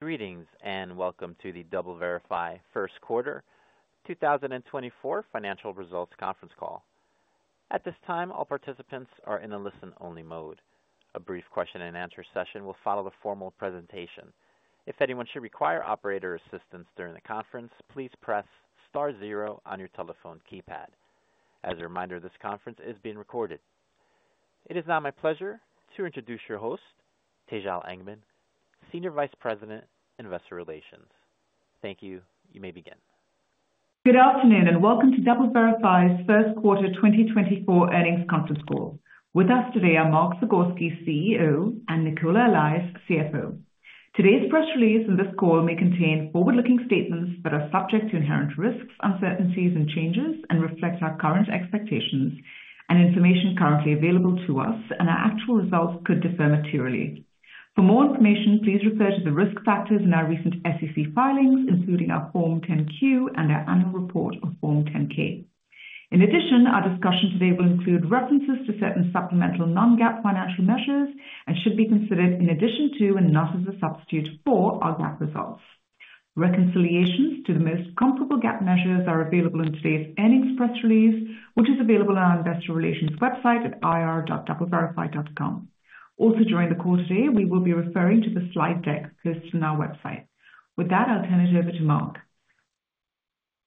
Greetings, and welcome to the DoubleVerify first quarter 2024 financial results conference call. At this time, all participants are in a listen-only mode. A brief question and answer session will follow the formal presentation. If anyone should require operator assistance during the conference, please press star zero on your telephone keypad. As a reminder, this conference is being recorded. It is now my pleasure to introduce your host, Tejal Engman, Senior Vice President, Investor Relations. Thank you. You may begin. Good afternoon, and welcome to DoubleVerify's first quarter 2024 earnings conference call. With us today are Mark Zagorski, CEO, and Nicola Allais, CFO. Today's press release and this call may contain forward-looking statements that are subject to inherent risks, uncertainties, and changes, and reflect our current expectations and information currently available to us, and our actual results could differ materially. For more information, please refer to the risk factors in our recent SEC filings, including our Form 10-Q and our annual report on Form 10-K. In addition, our discussion today will include references to certain supplemental non-GAAP financial measures and should be considered in addition to, and not as a substitute for, our GAAP results. Reconciliations to the most comparable GAAP measures are available in today's earnings press release, which is available on our investor relations website at ir.doubleverify.com. Also, during the call today, we will be referring to the slide deck listed on our website. With that, I'll turn it over to Mark.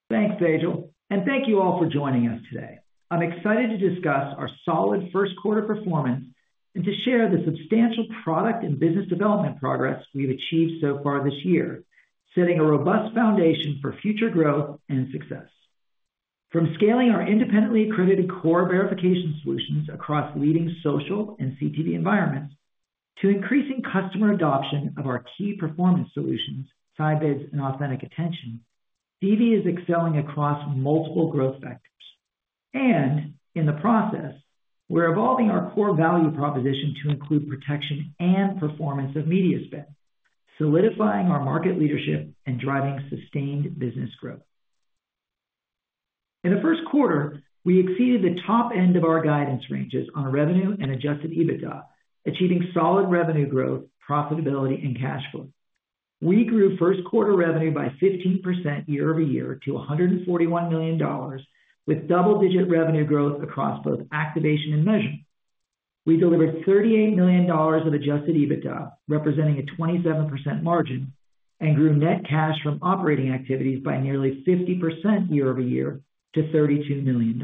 Thanks, Tejal, and thank you all for joining us today. I'm excited to discuss our solid first quarter performance and to share the substantial product and business development progress we've achieved so far this year, setting a robust foundation for future growth and success. From scaling our independently accredited core verification solutions across leading social and CTV environments, to increasing customer adoption of our key performance solutions, Scibids and Authentic Attention, DV is excelling across multiple growth vectors. And in the process, we're evolving our core value proposition to include protection and performance of media spend, solidifying our market leadership and driving sustained business growth. In the first quarter, we exceeded the top end of our guidance ranges on revenue and Adjusted EBITDA, achieving solid revenue growth, profitability, and cash flow. We grew first quarter revenue by 15% year-over-year to $141 million, with double-digit revenue growth across both activation and measurement. We delivered $38 million of Adjusted EBITDA, representing a 27% margin, and grew net cash from operating activities by nearly 50% year-over-year to $32 million.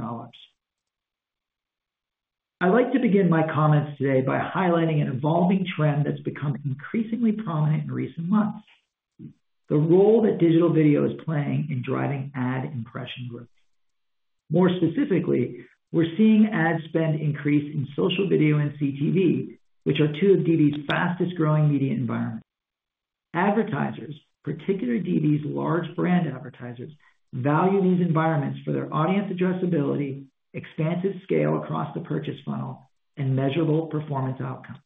I'd like to begin my comments today by highlighting an evolving trend that's become increasingly prominent in recent months, the role that digital video is playing in driving ad impression growth. More specifically, we're seeing ad spend increase in social video and CTV, which are two of DV's fastest growing media environments. Advertisers, particularly DV's large brand advertisers, value these environments for their audience addressability, expansive scale across the purchase funnel, and measurable performance outcomes.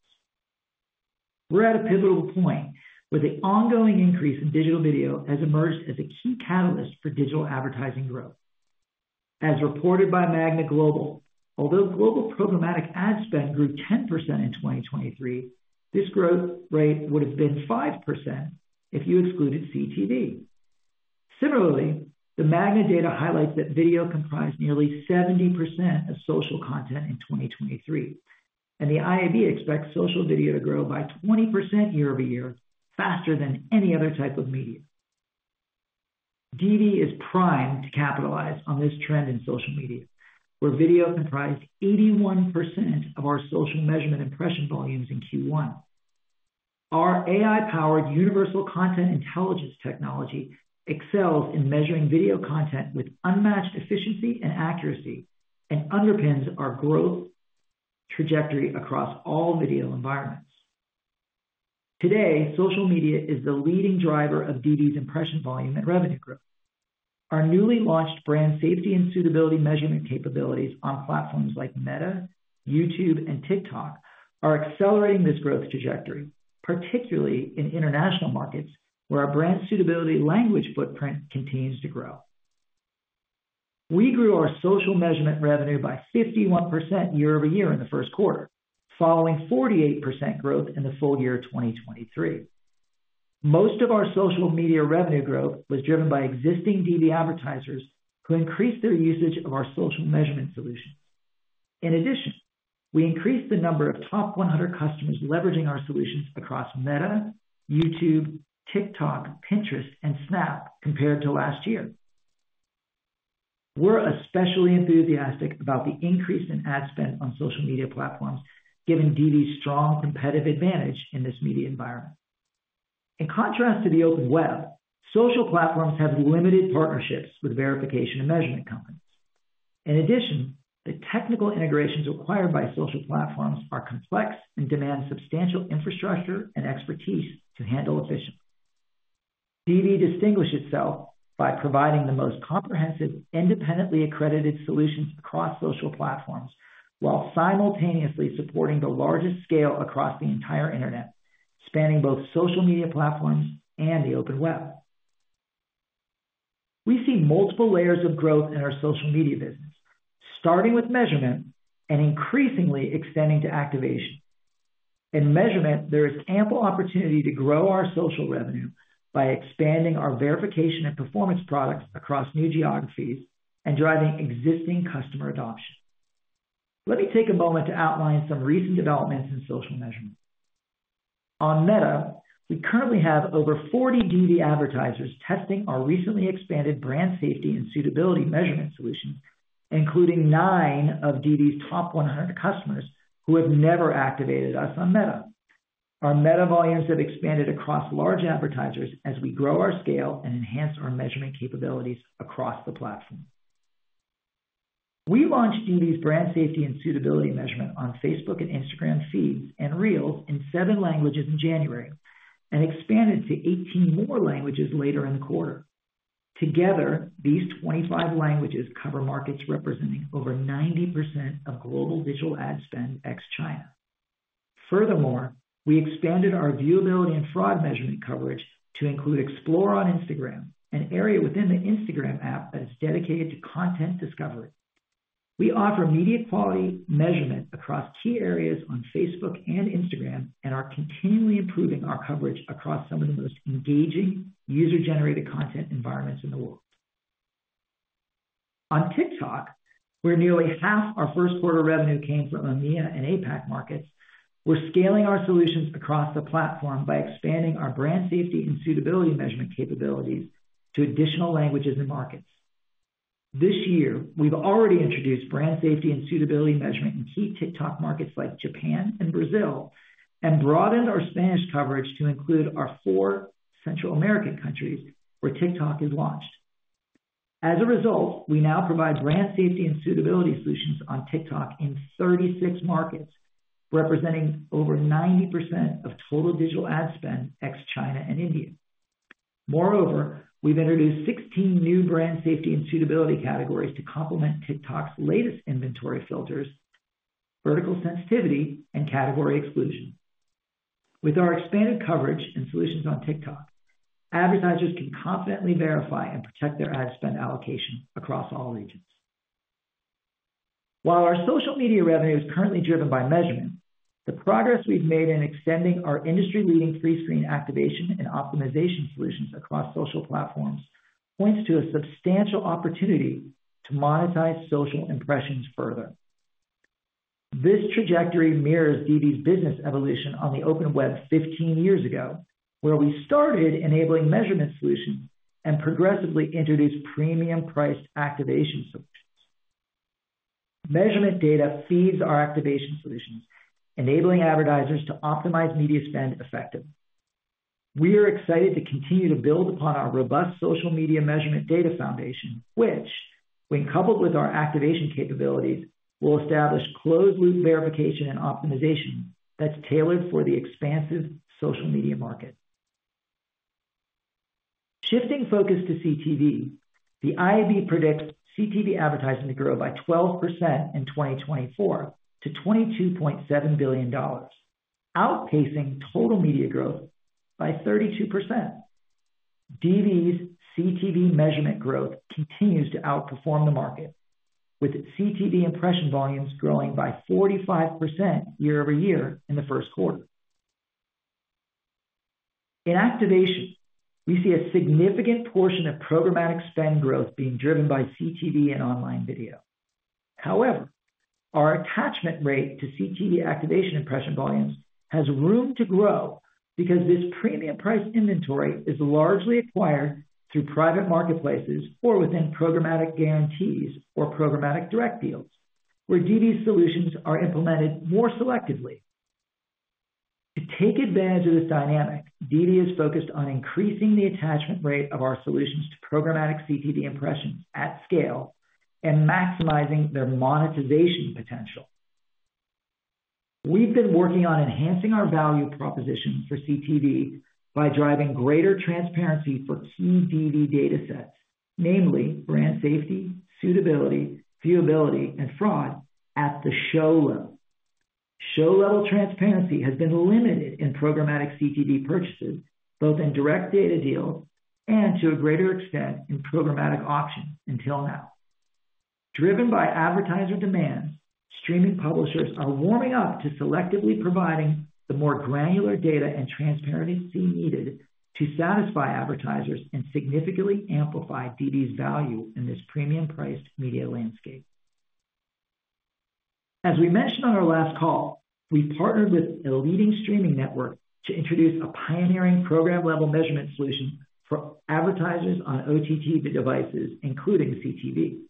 We're at a pivotal point where the ongoing increase in digital video has emerged as a key catalyst for digital advertising growth. As reported by Magna Global, although global programmatic ad spend grew 10% in 2023, this growth rate would have been 5% if you excluded CTV. Similarly, the Magna data highlights that video comprised nearly 70% of social content in 2023, and the IAB expects social video to grow by 20% year-over-year, faster than any other type of media. DV is primed to capitalize on this trend in social media, where video comprised 81% of our social measurement impression volumes in Q1. Our AI-powered universal content intelligence technology excels in measuring video content with unmatched efficiency and accuracy, and underpins our growth trajectory across all video environments. Today, social media is the leading driver of DV's impression volume and revenue growth. Our newly launched brand safety and suitability measurement capabilities on platforms like Meta, YouTube, and TikTok are accelerating this growth trajectory, particularly in international markets, where our brand suitability language footprint continues to grow. We grew our social measurement revenue by 51% year-over-year in the first quarter, following 48% growth in the full year of 2023. Most of our social media revenue growth was driven by existing DV advertisers who increased their usage of our social measurement solution. In addition, we increased the number of top 100 customers leveraging our solutions across Meta, YouTube, TikTok, Pinterest, and Snap compared to last year. We're especially enthusiastic about the increase in ad spend on social media platforms, giving DV strong competitive advantage in this media environment. In contrast to the open web, social platforms have limited partnerships with verification and measurement companies. In addition, the technical integrations required by social platforms are complex and demand substantial infrastructure and expertise to handle efficiently. DV distinguishes itself by providing the most comprehensive, independently accredited solutions across social platforms, while simultaneously supporting the largest scale across the entire internet, spanning both social media platforms and the open web. We see multiple layers of growth in our social media business, starting with measurement and increasingly extending to activation. In measurement, there is ample opportunity to grow our social revenue by expanding our verification and performance products across new geographies and driving existing customer adoption. Let me take a moment to outline some recent developments in social measurement. On Meta, we currently have over 40 DV advertisers testing our recently expanded brand safety and suitability measurement solution, including nine of DV's top 100 customers who have never activated us on Meta. Our Meta volumes have expanded across large advertisers as we grow our scale and enhance our measurement capabilities across the platform. We launched DV's brand safety and suitability measurement on Facebook and Instagram feeds and Reels in seven languages in January, and expanded to 18 more languages later in the quarter. Together, these 25 languages cover markets representing over 90% of global digital ad spend ex-China. Furthermore, we expanded our viewability and fraud measurement coverage to include Explore on Instagram, an area within the Instagram app that is dedicated to content discovery. We offer media quality measurement across key areas on Facebook and Instagram, and are continually improving our coverage across some of the most engaging user-generated content environments in the world. On TikTok, where nearly half our first quarter revenue came from EMEA and APAC markets, we're scaling our solutions across the platform by expanding our brand safety and suitability measurement capabilities to additional languages and markets. This year, we've already introduced brand safety and suitability measurement in key TikTok markets like Japan and Brazil, and broadened our Spanish coverage to include our four Central American countries where TikTok is launched. As a result, we now provide brand safety and suitability solutions on TikTok in 36 markets, representing over 90% of total digital ad spend, ex China and India. Moreover, we've introduced 16 new brand safety and suitability categories to complement TikTok's latest inventory filters, vertical sensitivity, and category exclusion. With our expanded coverage and solutions on TikTok, advertisers can confidently verify and protect their ad spend allocation across all regions. While our social media revenue is currently driven by measurement, the progress we've made in extending our industry-leading pre-screen activation and optimization solutions across social platforms points to a substantial opportunity to monetize social impressions further. This trajectory mirrors DV's business evolution on the open web 15 years ago, where we started enabling measurement solutions and progressively introduced premium priced activation solutions. Measurement data feeds our activation solutions, enabling advertisers to optimize media spend effectively. We are excited to continue to build upon our robust social media measurement data foundation, which, when coupled with our activation capabilities, will establish closed loop verification and optimization that's tailored for the expansive social media market. Shifting focus to CTV, the IAB predicts CTV advertising to grow by 12% in 2024 to $22.7 billion, outpacing total media growth by 32%. DV's CTV measurement growth continues to outperform the market, with its CTV impression volumes growing by 45% year-over-year in the first quarter. In activation, we see a significant portion of programmatic spend growth being driven by CTV and online video. However, our attachment rate to CTV activation impression volumes has room to grow because this premium price inventory is largely acquired through private marketplaces or within Programmatic GuaranteeD or programmatic direct deals, where DV's solutions are implemented more selectively. To take advantage of this dynamic, DV is focused on increasing the attachment rate of our solutions to programmatic CTV impressions at scale and maximizing their monetization potential. We've been working on enhancing our value proposition for CTV by driving greater transparency for key DV datasets, namely brand safety, suitability, viewability, and fraud at the show level. Show-level transparency has been limited in programmatic CTV purchases, both in direct data deals and to a greater extent, in programmatic auctions until now. Driven by advertiser demand, streaming publishers are warming up to selectively providing the more granular data and transparency needed to satisfy advertisers and significantly amplify DV's value in this premium priced media landscape. As we mentioned on our last call, we've partnered with a leading streaming network to introduce a pioneering program-level measurement solution for advertisers on OTT devices, including CTV.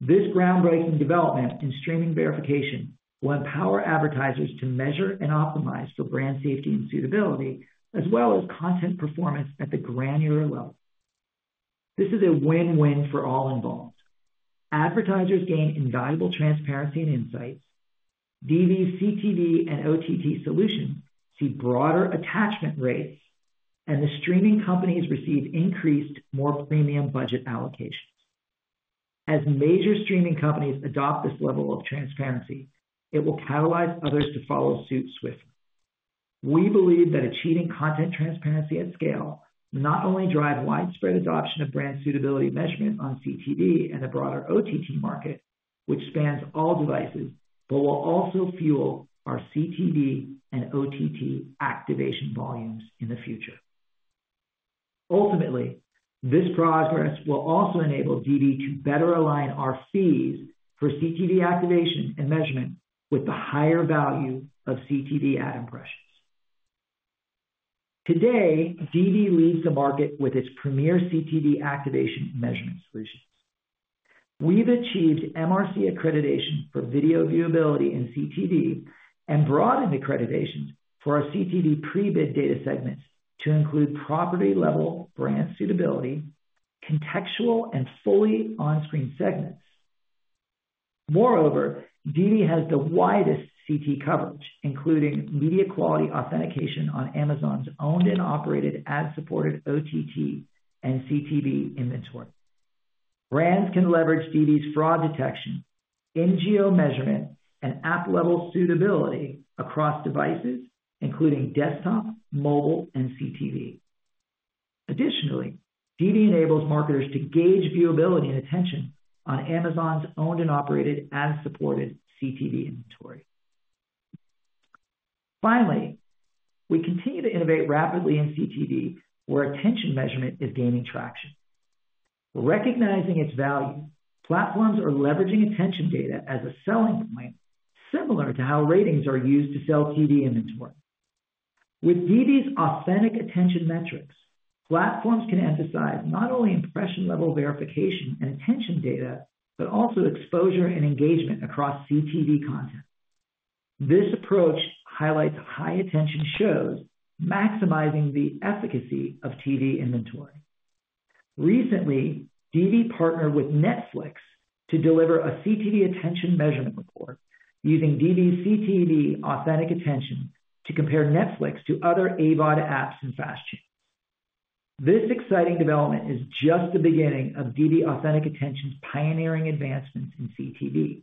This groundbreaking development in streaming verification will empower advertisers to measure and optimize for brand safety and suitability, as well as content performance at the granular level. This is a win-win for all involved. Advertisers gain invaluable transparency and insights, DV's CTV and OTT solutions see broader attachment rates, and the streaming companies receive increased, more premium budget allocations... As major streaming companies adopt this level of transparency, it will catalyze others to follow suit swiftly. We believe that achieving content transparency at scale will not only drive widespread adoption of brand suitability measurement on CTV and the broader OTT market, which spans all devices, but will also fuel our CTV and OTT activation volumes in the future. Ultimately, this progress will also enable DV to better align our fees for CTV activation and measurement with the higher value of CTV ad impressions. Today, DV leads the market with its premier CTV activation measurement solutions. We've achieved MRC accreditation for video viewability in CTV, and broadened accreditation for our CTV pre-bid data segments to include property-level brand suitability, contextual, and fully on-screen segments. Moreover, DV has the widest CTV coverage, including media quality authentication on Amazon's owned and operated ad-supported OTT and CTV inventory. Brands can leverage DV's fraud detection, IVT measurement, and app-level suitability across devices, including desktop, mobile, and CTV. Additionally, DV enables marketers to gauge viewability and attention on Amazon's owned and operated ad-supported CTV inventory. Finally, we continue to innovate rapidly in CTV, where attention measurement is gaining traction. Recognizing its value, platforms are leveraging attention data as a selling point, similar to how ratings are used to sell TV inventory. With DV's authentic attention metrics, platforms can emphasize not only impression-level verification and attention data, but also exposure and engagement across CTV content. This approach highlights high-attention shows, maximizing the efficacy of TV inventory. Recently, DV partnered with Netflix to deliver a CTV attention measurement report, using DV's CTV Authentic Attention to compare Netflix to other AVOD apps and FAST channels. This exciting development is just the beginning of DV Authentic Attention's pioneering advancements in CTV,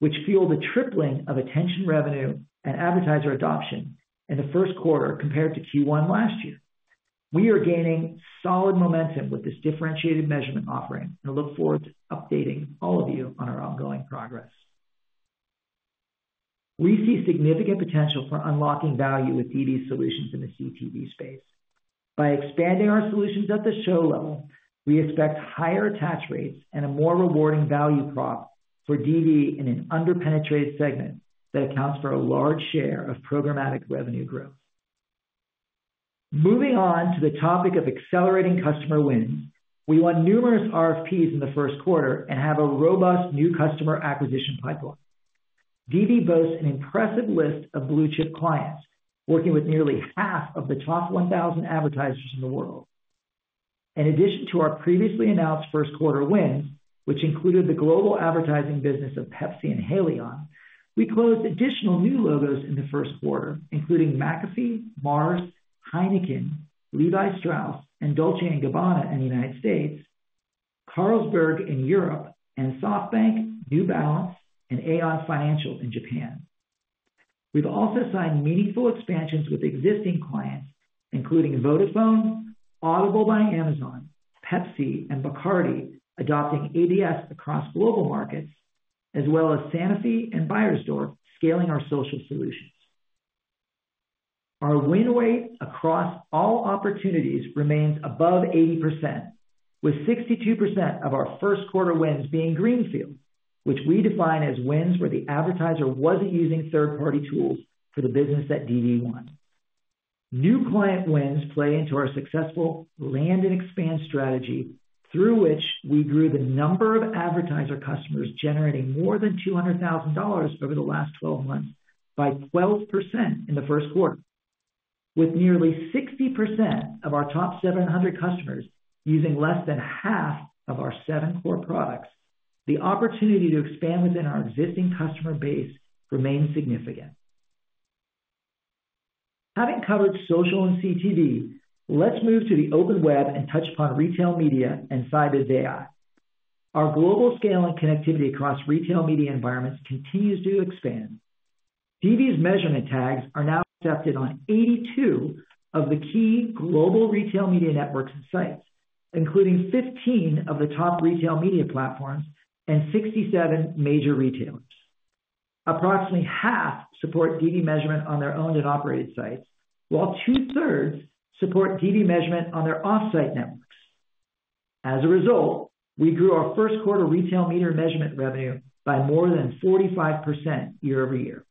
which fueled a tripling of attention revenue and advertiser adoption in the first quarter compared to Q1 last year. We are gaining solid momentum with this differentiated measurement offering, and look forward to updating all of you on our ongoing progress. We see significant potential for unlocking value with DV solutions in the CTV space. By expanding our solutions at the show level, we expect higher attach rates and a more rewarding value prop for DV in an under-penetrated segment that accounts for a large share of programmatic revenue growth. Moving on to the topic of accelerating customer wins, we won numerous RFPs in the first quarter and have a robust new customer acquisition pipeline. DV boasts an impressive list of blue-chip clients, working with nearly half of the top 1,000 advertisers in the world. In addition to our previously announced first quarter wins, which included the global advertising business of Pepsi and Haleon, we closed additional new logos in the first quarter, including McAfee, Mars, Heineken, Levi Strauss, and Dolce & Gabbana in the United States, Carlsberg in Europe, and SoftBank, New Balance, and AEON Financial in Japan. We've also signed meaningful expansions with existing clients, including Vodafone, Audible by Amazon, Pepsi, and Bacardi, adopting ABS across global markets, as well as Sanofi and Beiersdorf, scaling our social solutions. Our win rate across all opportunities remains above 80%, with 62% of our first quarter wins being greenfield, which we define as wins where the advertiser wasn't using third-party tools for the business that DV won. New client wins play into our successful land and expand strategy, through which we grew the number of advertiser customers generating more than $200,000 over the last 12 months by 12% in the first quarter. With nearly 60% of our top 700 customers using less than half of our core core products, the opportunity to expand within our existing customer base remains significant. Having covered social and CTV, let's move to the open web and touch upon retail media and Scibids AI. Our global scale and connectivity across retail media environments continues to expand. DV's measurement tags are now accepted on 82 of the key global retail media networks and sites, including 15 of the top retail media platforms and 67 major retailers. Approximately half support DV measurement on their owned and operated sites, while 2/3 support DV measurement on their off-site networks. As a result, we grew our first quarter retail media measurement revenue by more than 45% year-over-year.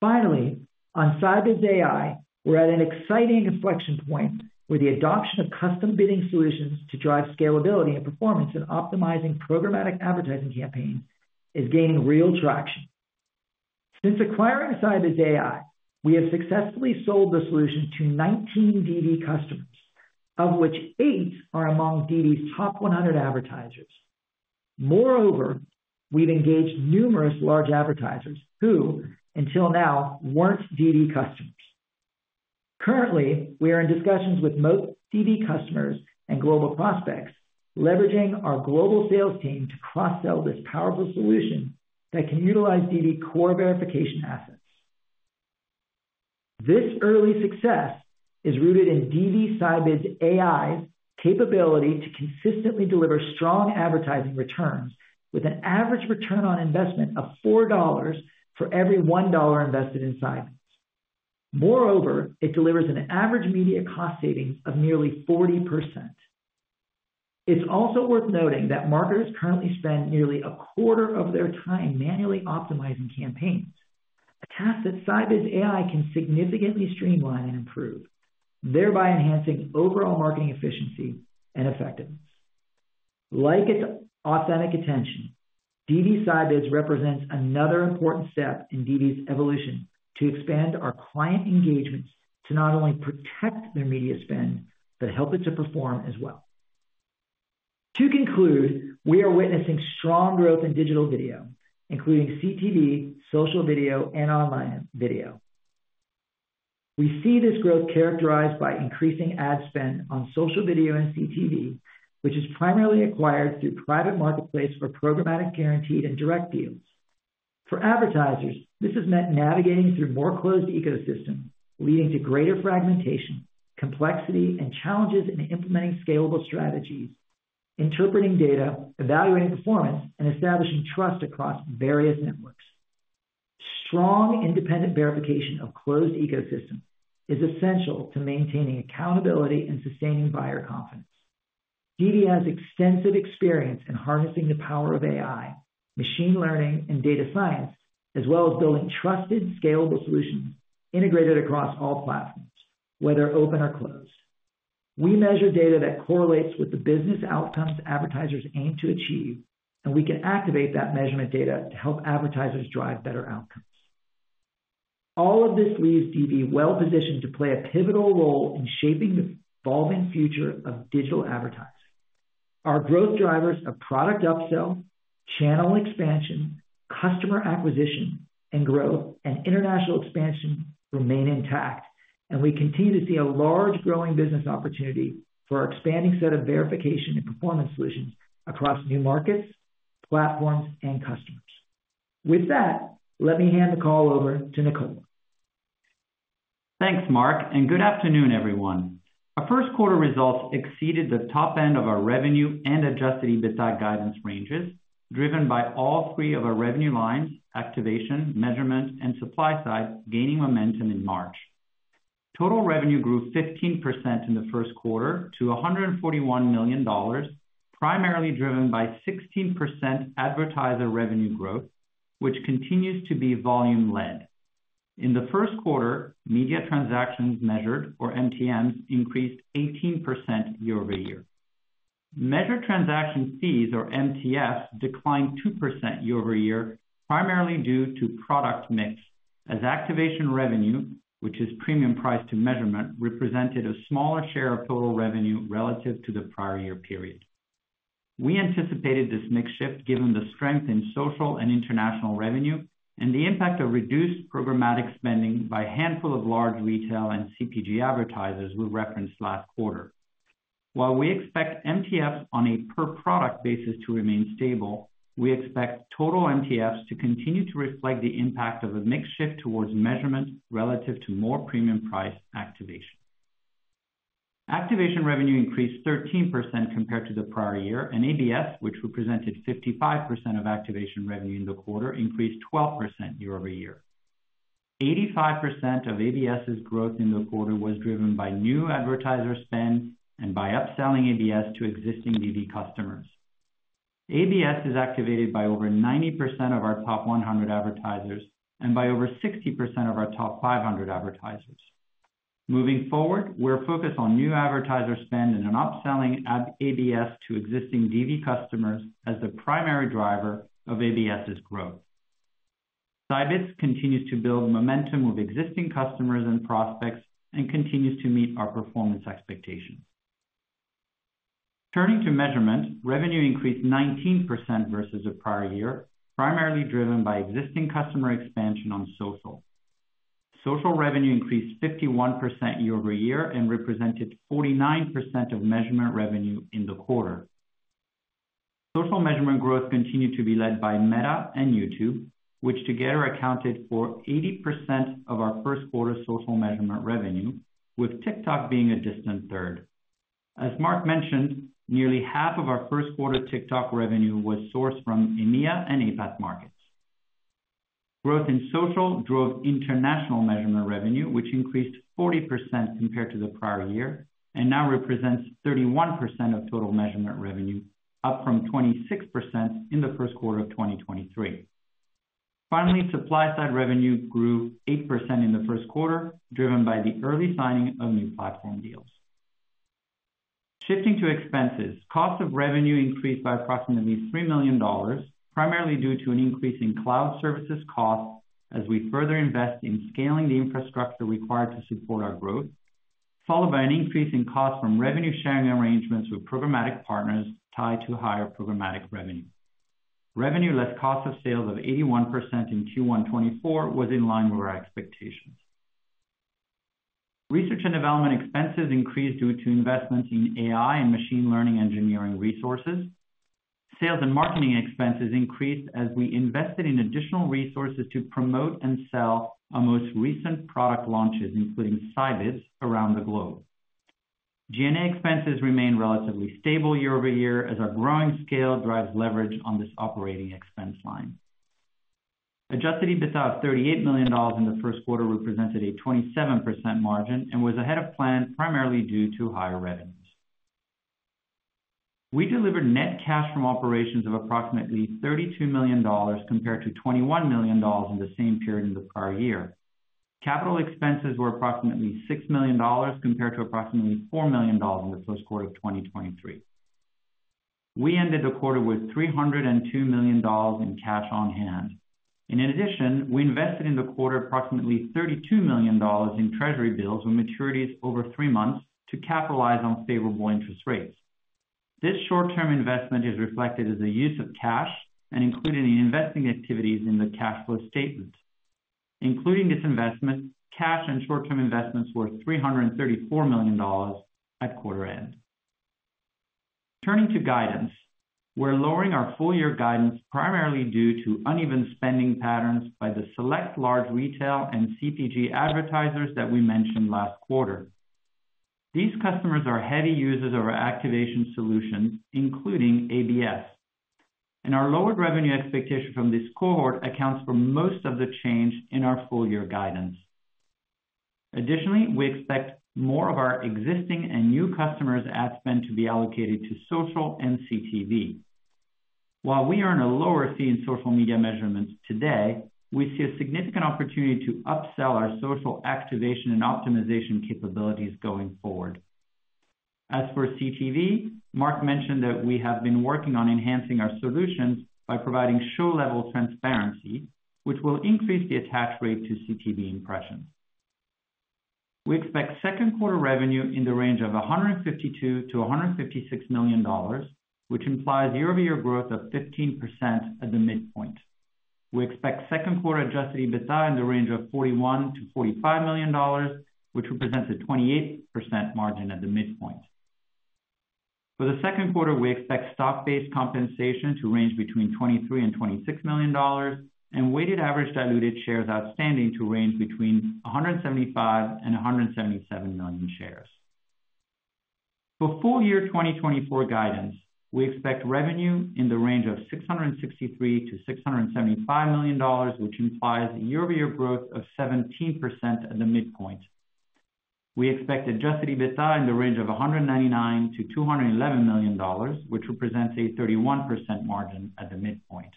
Finally, on Scibids AI, we're at an exciting inflection point, where the adoption of custom bidding solutions to drive scalability and performance in optimizing programmatic advertising campaigns is gaining real traction. Since acquiring Scibids AI, we have successfully sold the solution to 19 DV customers, of which eight are among DV's top 100 advertisers. Moreover, we've engaged numerous large advertisers who, until now, weren't DV customers. Currently, we are in discussions with most DV customers and global prospects, leveraging our global sales team to cross-sell this powerful solution that can utilize DV core verification assets. This early success is rooted in DV Scibids AI's capability to consistently deliver strong advertising returns, with an average return on investment of $4 for every $1 invested in Scibids. Moreover, it delivers an average media cost savings of nearly 40%. It's also worth noting that marketers currently spend nearly a quarter of their time manually optimizing campaigns, a task that Scibids AI can significantly streamline and improve, thereby enhancing overall marketing efficiency and effectiveness. Like its Authentic Attention, DV Scibids represents another important step in DV's evolution to expand our client engagements to not only protect their media spend, but help it to perform as well. To conclude, we are witnessing strong growth in digital video, including CTV, social video, and online video. We see this growth characterized by increasing ad spend on social video and CTV, which is primarily acquired through private marketplace for programmatic, guaranteed, and direct deals. For advertisers, this has meant navigating through more closed ecosystems, leading to greater fragmentation, complexity, and challenges in implementing scalable strategies, interpreting data, evaluating performance, and establishing trust across various networks. Strong, independent verification of closed ecosystems is essential to maintaining accountability and sustaining buyer confidence. DV has extensive experience in harnessing the power of AI, machine learning, and data science, as well as building trusted, scalable solutions integrated across all platforms, whether open or closed. We measure data that correlates with the business outcomes advertisers aim to achieve, and we can activate that measurement data to help advertisers drive better outcomes. All of this leaves DV well-positioned to play a pivotal role in shaping the evolving future of digital advertising. Our growth drivers of product upsell, channel expansion, customer acquisition and growth, and international expansion remain intact, and we continue to see a large growing business opportunity for our expanding set of verification and performance solutions across new markets, platforms, and customers. With that, let me hand the call over to Nicola. Thanks, Mark, and good afternoon, everyone. Our first quarter results exceeded the top end of our revenue and adjusted EBITDA guidance ranges, driven by all three of our revenue lines, activation, measurement, and supply side, gaining momentum in March. Total revenue grew 15% in the first quarter to $141 million, primarily driven by 16% advertiser revenue growth, which continues to be volume-led. In the first quarter, media transactions measured, or MTMs, increased 18% year-over-year. Measured transaction fees, or MTFs, declined 2% year-over-year, primarily due to product mix, as activation revenue, which is premium price to measurement, represented a smaller share of total revenue relative to the prior year period. We anticipated this mix shift given the strength in social and international revenue and the impact of reduced programmatic spending by a handful of large retail and CPG advertisers we referenced last quarter. While we expect MTFs on a per-product basis to remain stable, we expect total MTFs to continue to reflect the impact of a mix shift towards measurement relative to more premium price activation. Activation revenue increased 13% compared to the prior year, and ABS, which represented 55% of activation revenue in the quarter, increased 12% year over year. 85% of ABS's growth in the quarter was driven by new advertiser spend and by upselling ABS to existing DV customers. ABS is activated by over 90% of our top 100 advertisers and by over 60% of our top 500 advertisers. Moving forward, we're focused on new advertiser spend and on upselling ABS to existing DV customers as the primary driver of ABS's growth. Scibids continues to build momentum with existing customers and prospects and continues to meet our performance expectations. Turning to measurement, revenue increased 19% versus the prior year, primarily driven by existing customer expansion on social. Social revenue increased 51% year-over-year and represented 49% of measurement revenue in the quarter. Social measurement growth continued to be led by Meta and YouTube, which together accounted for 80% of our first quarter social measurement revenue, with TikTok being a distant third. As Mark mentioned, nearly half of our first quarter TikTok revenue was sourced from EMEA and APAC markets. Growth in social drove international measurement revenue, which increased 40% compared to the prior year and now represents 31% of total measurement revenue, up from 26% in the first quarter of 2023. Finally, supply-side revenue grew 8% in the first quarter, driven by the early signing of new platform deals. Shifting to expenses, cost of revenue increased by approximately $3 million, primarily due to an increase in cloud services costs as we further invest in scaling the infrastructure required to support our growth, followed by an increase in cost from revenue-sharing arrangements with programmatic partners tied to higher programmatic revenue. Revenue less cost of sales of 81% in Q1 2024 was in line with our expectations. Research and development expenses increased due to investment in AI and machine learning engineering resources. Sales and marketing expenses increased as we invested in additional resources to promote and sell our most recent product launches, including Scibids, around the globe. G&A expenses remained relatively stable year-over-year as our growing scale drives leverage on this operating expense line. Adjusted EBITDA of $38 million in the first quarter represented a 27% margin and was ahead of plan, primarily due to higher revenues. We delivered net cash from operations of approximately $32 million, compared to $21 million in the same period in the prior year. Capital expenses were approximately $6 million, compared to approximately $4 million in the first quarter of 2023. We ended the quarter with $302 million in cash on hand. In addition, we invested in the quarter approximately $32 million in treasury bills, with maturities over three months to capitalize on favorable interest rates. This short-term investment is reflected as a use of cash and included in investing activities in the cash flow statement. Including this investment, cash and short-term investments were $334 million at quarter end. Turning to guidance, we're lowering our full year guidance, primarily due to uneven spending patterns by the select large retail and CPG advertisers that we mentioned last quarter. These customers are heavy users of our activation solutions, including ABS, and our lowered revenue expectation from this cohort accounts for most of the change in our full year guidance. Additionally, we expect more of our existing and new customers' ad spend to be allocated to social and CTV. While we are in a lower C in social media measurements today, we see a significant opportunity to upsell our social activation and optimization capabilities going forward. As for CTV, Mark mentioned that we have been working on enhancing our solutions by providing show-level transparency, which will increase the attach rate to CTV impressions. We expect second quarter revenue in the range of $152 million-$156 million, which implies year-over-year growth of 15% at the midpoint. We expect second quarter Adjusted EBITDA in the range of $41 million-$45 million, which represents a 28% margin at the midpoint. For the second quarter, we expect stock-based compensation to range between $23 million and $26 million, and weighted average diluted shares outstanding to range between 175 million and 177 million shares. For full year 2024 guidance, we expect revenue in the range of $663 million-$675 million, which implies a year-over-year growth of 17% at the midpoint. We expect Adjusted EBITDA in the range of $199 million-$211 million, which represents a 31% margin at the midpoint.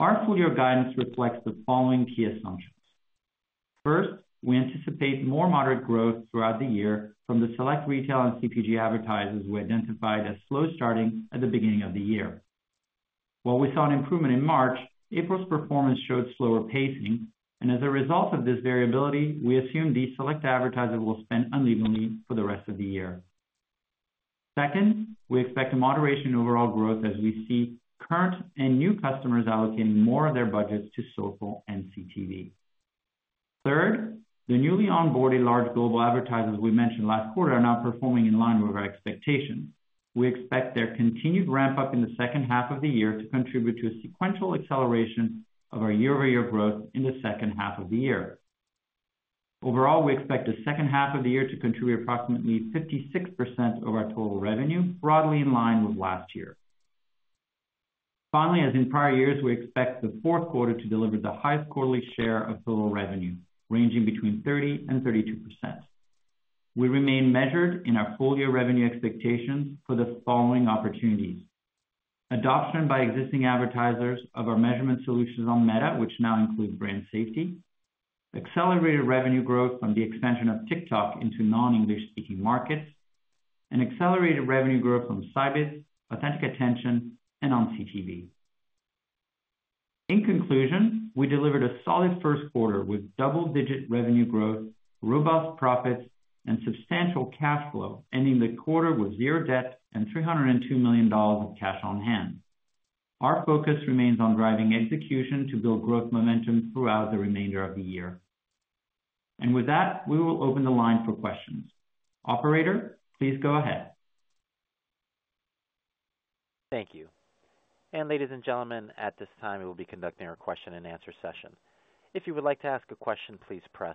Our full year guidance reflects the following key assumptions: First, we anticipate more moderate growth throughout the year from the select retail and CPG advertisers we identified as slow starting at the beginning of the year. While we saw an improvement in March, April's performance showed slower pacing, and as a result of this variability, we assume these select advertisers will spend unevenly for the rest of the year. Second, we expect a moderation in overall growth as we see current and new customers allocating more of their budgets to social and CTV. Third, the newly onboarded large global advertisers we mentioned last quarter are now performing in line with our expectations. We expect their continued ramp-up in the second half of the year to contribute to a sequential acceleration of our year-over-year growth in the second half of the year. Overall, we expect the second half of the year to contribute approximately 56% of our total revenue, broadly in line with last year. Finally, as in prior years, we expect the fourth quarter to deliver the highest quarterly share of total revenue, ranging between 30% and 32%. We remain measured in our full-year revenue expectations for the following opportunities: adoption by existing advertisers of our measurement solutions on Meta, which now includes brand safety, accelerated revenue growth from the expansion of TikTok into non-English speaking markets, and accelerated revenue growth from Scibids, Authentic Attention, and on CTV. In conclusion, we delivered a solid first quarter with double-digit revenue growth, robust profits, and substantial cash flow, ending the quarter with zero debt and $302 million of cash on hand. Our focus remains on driving execution to build growth momentum throughout the remainder of the year. With that, we will open the line for questions. Operator, please go ahead. Thank you. And ladies and gentlemen, at this time, we will be conducting our question-and-answer session. If you would like to ask a question, please press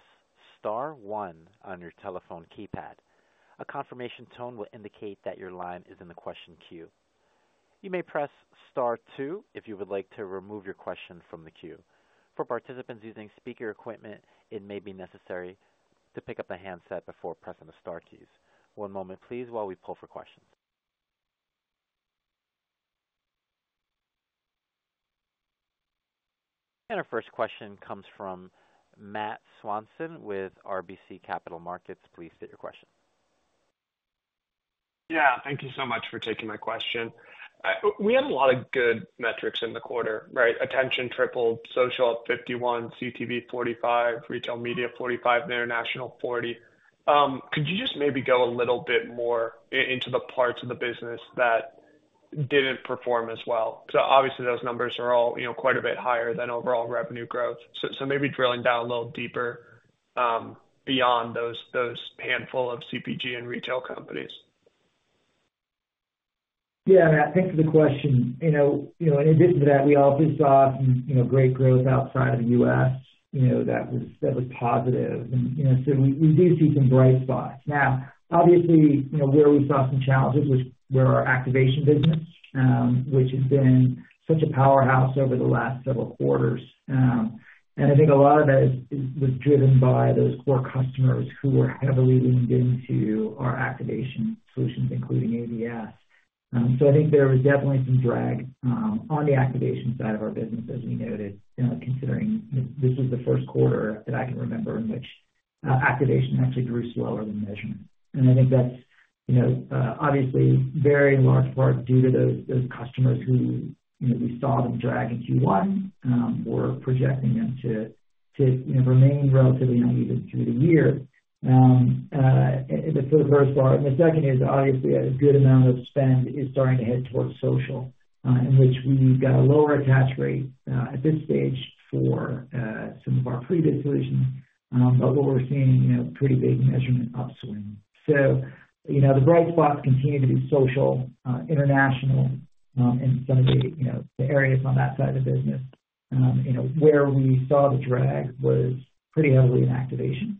star one on your telephone keypad. A confirmation tone will indicate that your line is in the question queue. You may press star two if you would like to remove your question from the queue. For participants using speaker equipment, it may be necessary to pick up the handset before pressing the star keys. One moment please, while we pull for questions. And our first question comes from Matt Swanson with RBC Capital Markets. Please state your question. Yeah, thank you so much for taking my question. We had a lot of good metrics in the quarter, right? Attention tripled, social, 51, CTV, 45, retail media, 45, international, 40. Could you just maybe go a little bit more into the parts of the business that didn't perform as well? So obviously, those numbers are all, you know, quite a bit higher than overall revenue growth. So maybe drilling down a little deeper, beyond those handful of CPG and retail companies. Yeah, Matt, thanks for the question. You know, in addition to that, we also saw some you know, great growth outside of the U.S., you know, that was positive. And you know, so we do see some bright spots. Now, obviously, you know, where we saw some challenges was where our activation business, which has been such a powerhouse over the last several quarters. And I think a lot of that was driven by those core customers who were heavily leaned into our activation solutions, including ABS. So I think there was definitely some drag on the activation side of our business, as we noted, you know, considering this is the first quarter that I can remember in which activation actually grew slower than measurement. And I think that's, you know, obviously very large part due to those, those customers who, you know, we saw them drag in Q1, we're projecting them to, you know, remain relatively uneven through the year. The first part. The second is, obviously, a good amount of spend is starting to head towards social, in which we've got a lower attach rate, at this stage for some of our pre-bid solutions, but what we're seeing, you know, pretty big measurement upswing. So, you know, the bright spots continue to be social, international, and some of the, you know, the areas on that side of the business. You know, where we saw the drag was pretty heavily in activation,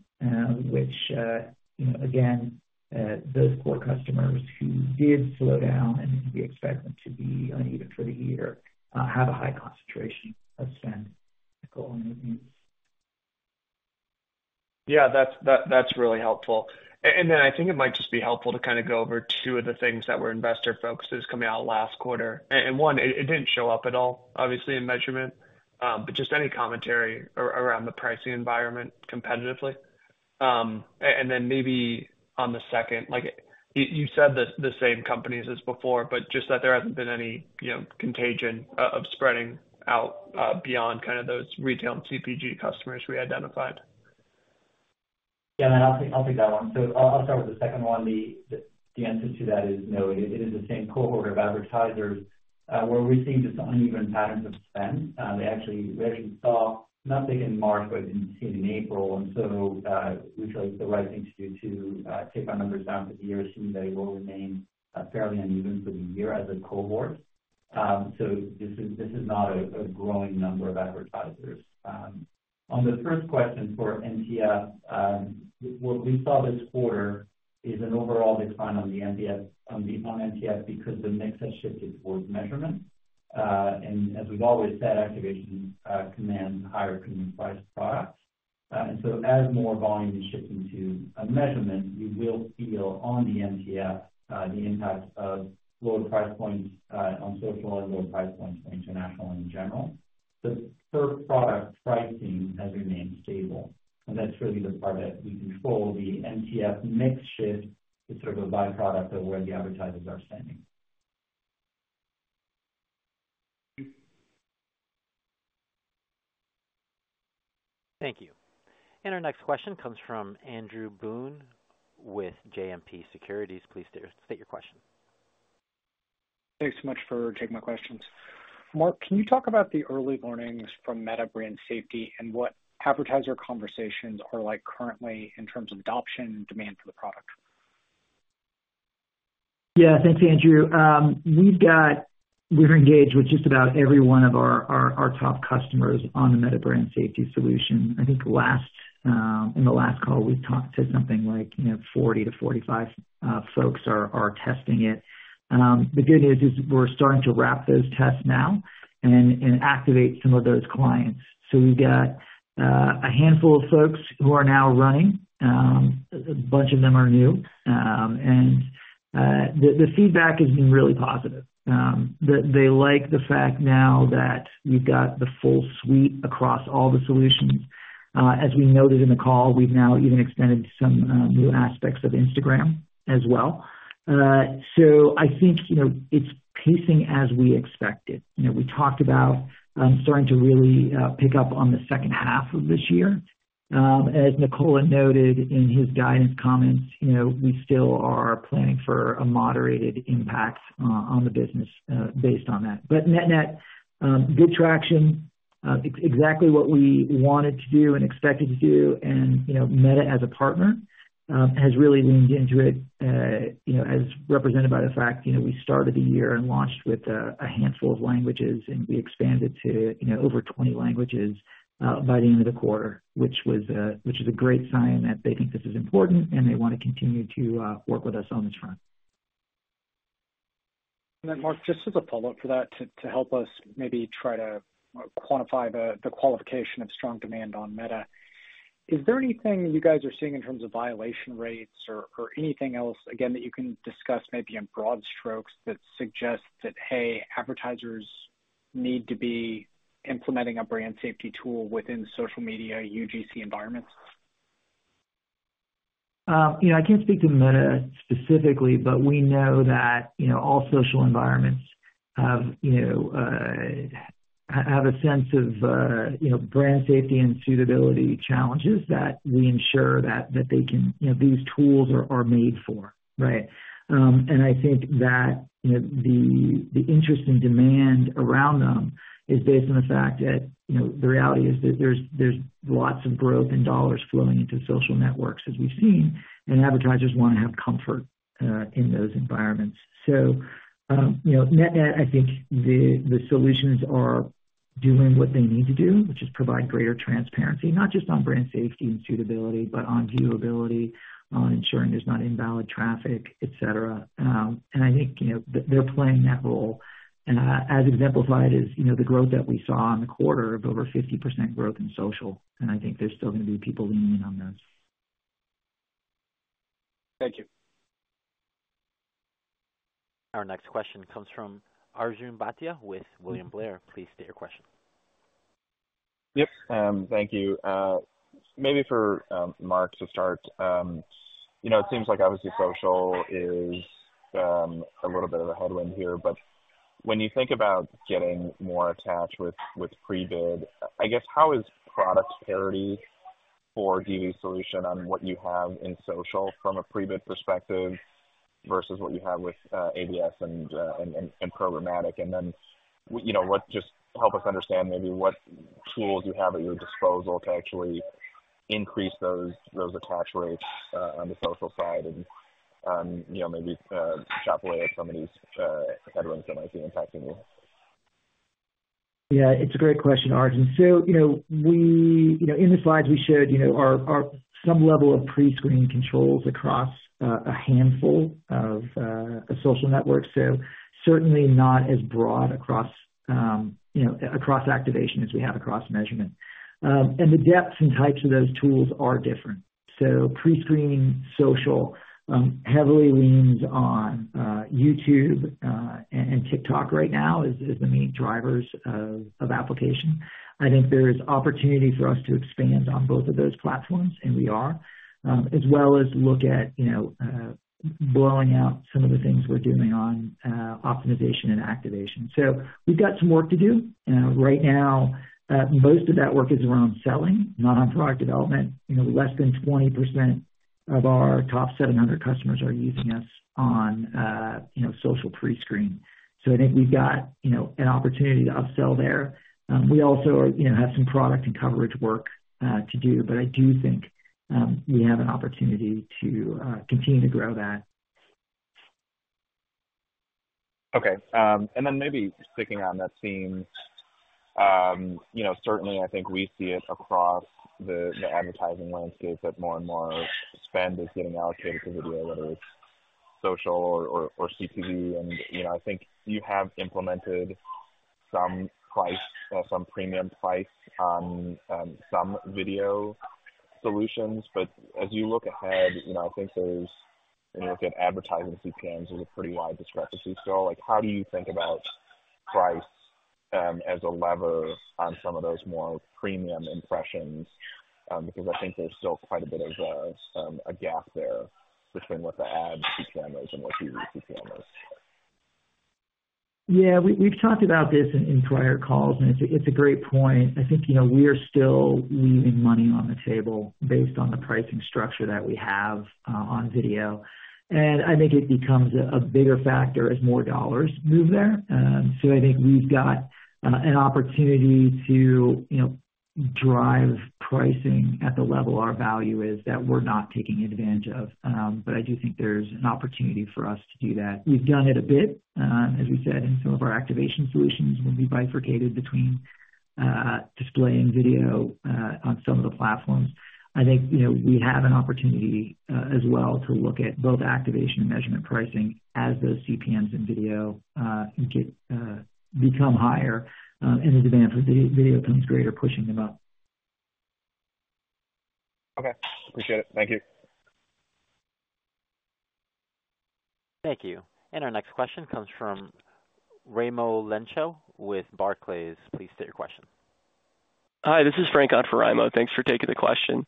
which, you know, again, those core customers who did slow down, and we expect them to be uneven for the year, have a high concentration of spend going with you. Yeah, that's really helpful. And then I think it might just be helpful to kind of go over two of the things that were investor focuses coming out last quarter. And one, it didn't show up at all, obviously, in measurement, but just any commentary around the pricing environment competitively. And then maybe on the second, like, you said the same companies as before, but just that there hasn't been any, you know, contagion of spreading out beyond kind of those retail and CPG customers we identified. Yeah, I'll take that one. So I'll start with the second one. The answer to that is no. It is the same cohort of advertisers, where we're seeing just uneven patterns of spend. They actually—we actually saw nothing in March, but didn't see it in April, and so we feel like the right thing to do to take our numbers down for the year, assuming they will remain fairly uneven for the year as a cohort. So this is not a growing number of advertisers. On the first question for MTF, what we saw this quarter is an overall decline on the MTF, because the mix has shifted towards measurement. And as we've always said, activation commands higher premium price products. So as more volume is shifting to measurement, we will feel on the MTF the impact of lower price points on social and lower price points on international in general. The per product pricing has remained stable, and that's really the part that we control. The MTF mix shift is sort of a byproduct of where the advertisers are spending. Thank you. Thank you. Our next question comes from Andrew Boone with JMP Securities. Please state your question. Thanks so much for taking my questions. Mark, can you talk about the early warnings from Meta Brand Safety, and what advertiser conversations are like currently in terms of adoption and demand for the product? Yeah. Thanks, Andrew. We're engaged with just about every one of our top customers on the Meta Brand Safety solution. I think last, in the last call, we talked to something like, you know, 40-45 folks are testing it. The good news is we're starting to wrap those tests now and activate some of those clients. So we've got a handful of folks who are now running. A bunch of them are new. And the feedback has been really positive. They like the fact now that we've got the full suite across all the solutions. As we noted in the call, we've now even extended some new aspects of Instagram as well. So I think, you know, it's pacing as we expected. You know, we talked about starting to really pick up on the second half of this year. As Nicola noted in his guidance comments, you know, we still are planning for a moderated impact on the business based on that. But net-net, good traction, exactly what we wanted to do and expected to do, and, you know, Meta as a partner has really leaned into it, you know, as represented by the fact, you know, we started the year and launched with a handful of languages, and we expanded to, you know, over 20 languages by the end of the quarter, which is a great sign that they think this is important, and they want to continue to work with us on this front. And then, Mark, just as a follow-up to that, to help us maybe try to quantify the qualification of strong demand on Meta. Is there anything you guys are seeing in terms of violation rates or anything else, again, that you can discuss maybe in broad strokes, that suggests that, hey, advertisers need to be implementing a brand safety tool within social media UGC environments? You know, I can't speak to Meta specifically, but we know that, you know, all social environments have a sense of, you know, brand safety and suitability challenges that we ensure that they can, you know, these tools are made for, right? And I think that, you know, the interest and demand around them is based on the fact that, you know, the reality is that there's lots of growth and dollars flowing into social networks as we've seen, and advertisers wanna have comfort in those environments. So, you know, net-net, I think the solutions are doing what they need to do, which is provide greater transparency, not just on brand safety and suitability, but on viewability, on ensuring there's not invalid traffic, et cetera. And I think, you know, they're playing that role. As exemplified, you know, the growth that we saw in the quarter of over 50% growth in social, and I think there's still gonna be people leaning in on those. Thank you. Our next question comes from Arjun Bhatia with William Blair. Please state your question. Yep, thank you. Maybe for Mark to start. You know, it seems like obviously social is a little bit of a headwind here, but when you think about getting more attached with pre-bid, I guess, how is product parity for DV solution on what you have in social from a pre-bid perspective versus what you have with ABS and programmatic? And then, you know what? Just help us understand maybe what tools you have at your disposal to actually increase those attach rates on the social side and, you know, maybe chop away at some of these headwinds that might be impacting you. Yeah, it's a great question, Arjun. So, you know, we. You know, in the slides we showed, you know, our some level of prescreening controls across a handful of a social network. So certainly not as broad across, you know, across activation as we have across measurement. And the depths and types of those tools are different. So prescreening social heavily leans on YouTube and TikTok right now, is the main drivers of application. I think there is opportunity for us to expand on both of those platforms, and we are, as well as look at, you know, blowing out some of the things we're doing on optimization and activation. So we've got some work to do, and right now most of that work is around selling, not on product development. You know, less than 20% of our top 700 customers are using us on, you know, social prescreen. So I think we've got, you know, an opportunity to upsell there. We also are, you know, have some product and coverage work to do, but I do think, we have an opportunity to continue to grow that. Okay, and then maybe sticking on that theme. You know, certainly I think we see it across the, the advertising landscape that more and more spend is getting allocated to video, whether it's social or, or, or CTV. And, you know, I think you have implemented some price, some premium price on, some video solutions. But as you look ahead, you know, I think there's... When you look at advertising CPMs, there's a pretty wide discrepancy still. Like, how do you think about price, as a lever on some of those more premium impressions? Because I think there's still quite a bit of, a gap there between what the ad CPM is and what DV CPM is. Yeah, we've talked about this in prior calls, and it's a great point. I think, you know, we are still leaving money on the table based on the pricing structure that we have on video. And I think it becomes a bigger factor as more dollars move there. So I think we've got an opportunity to, you know, drive pricing at the level our value is, that we're not taking advantage of. But I do think there's an opportunity for us to do that. We've done it a bit, as we said, in some of our activation solutions, when we bifurcated between display and video on some of the platforms. I think, you know, we have an opportunity as well to look at both activation and measurement pricing as those CPMs in video become higher, and the demand for video becomes greater, pushing them up. Okay, appreciate it. Thank you. Thank you. Our next question comes from Raimo Lenschow with Barclays. Please state your question. Hi, this is Frank on for Raimo. Thanks for taking the question.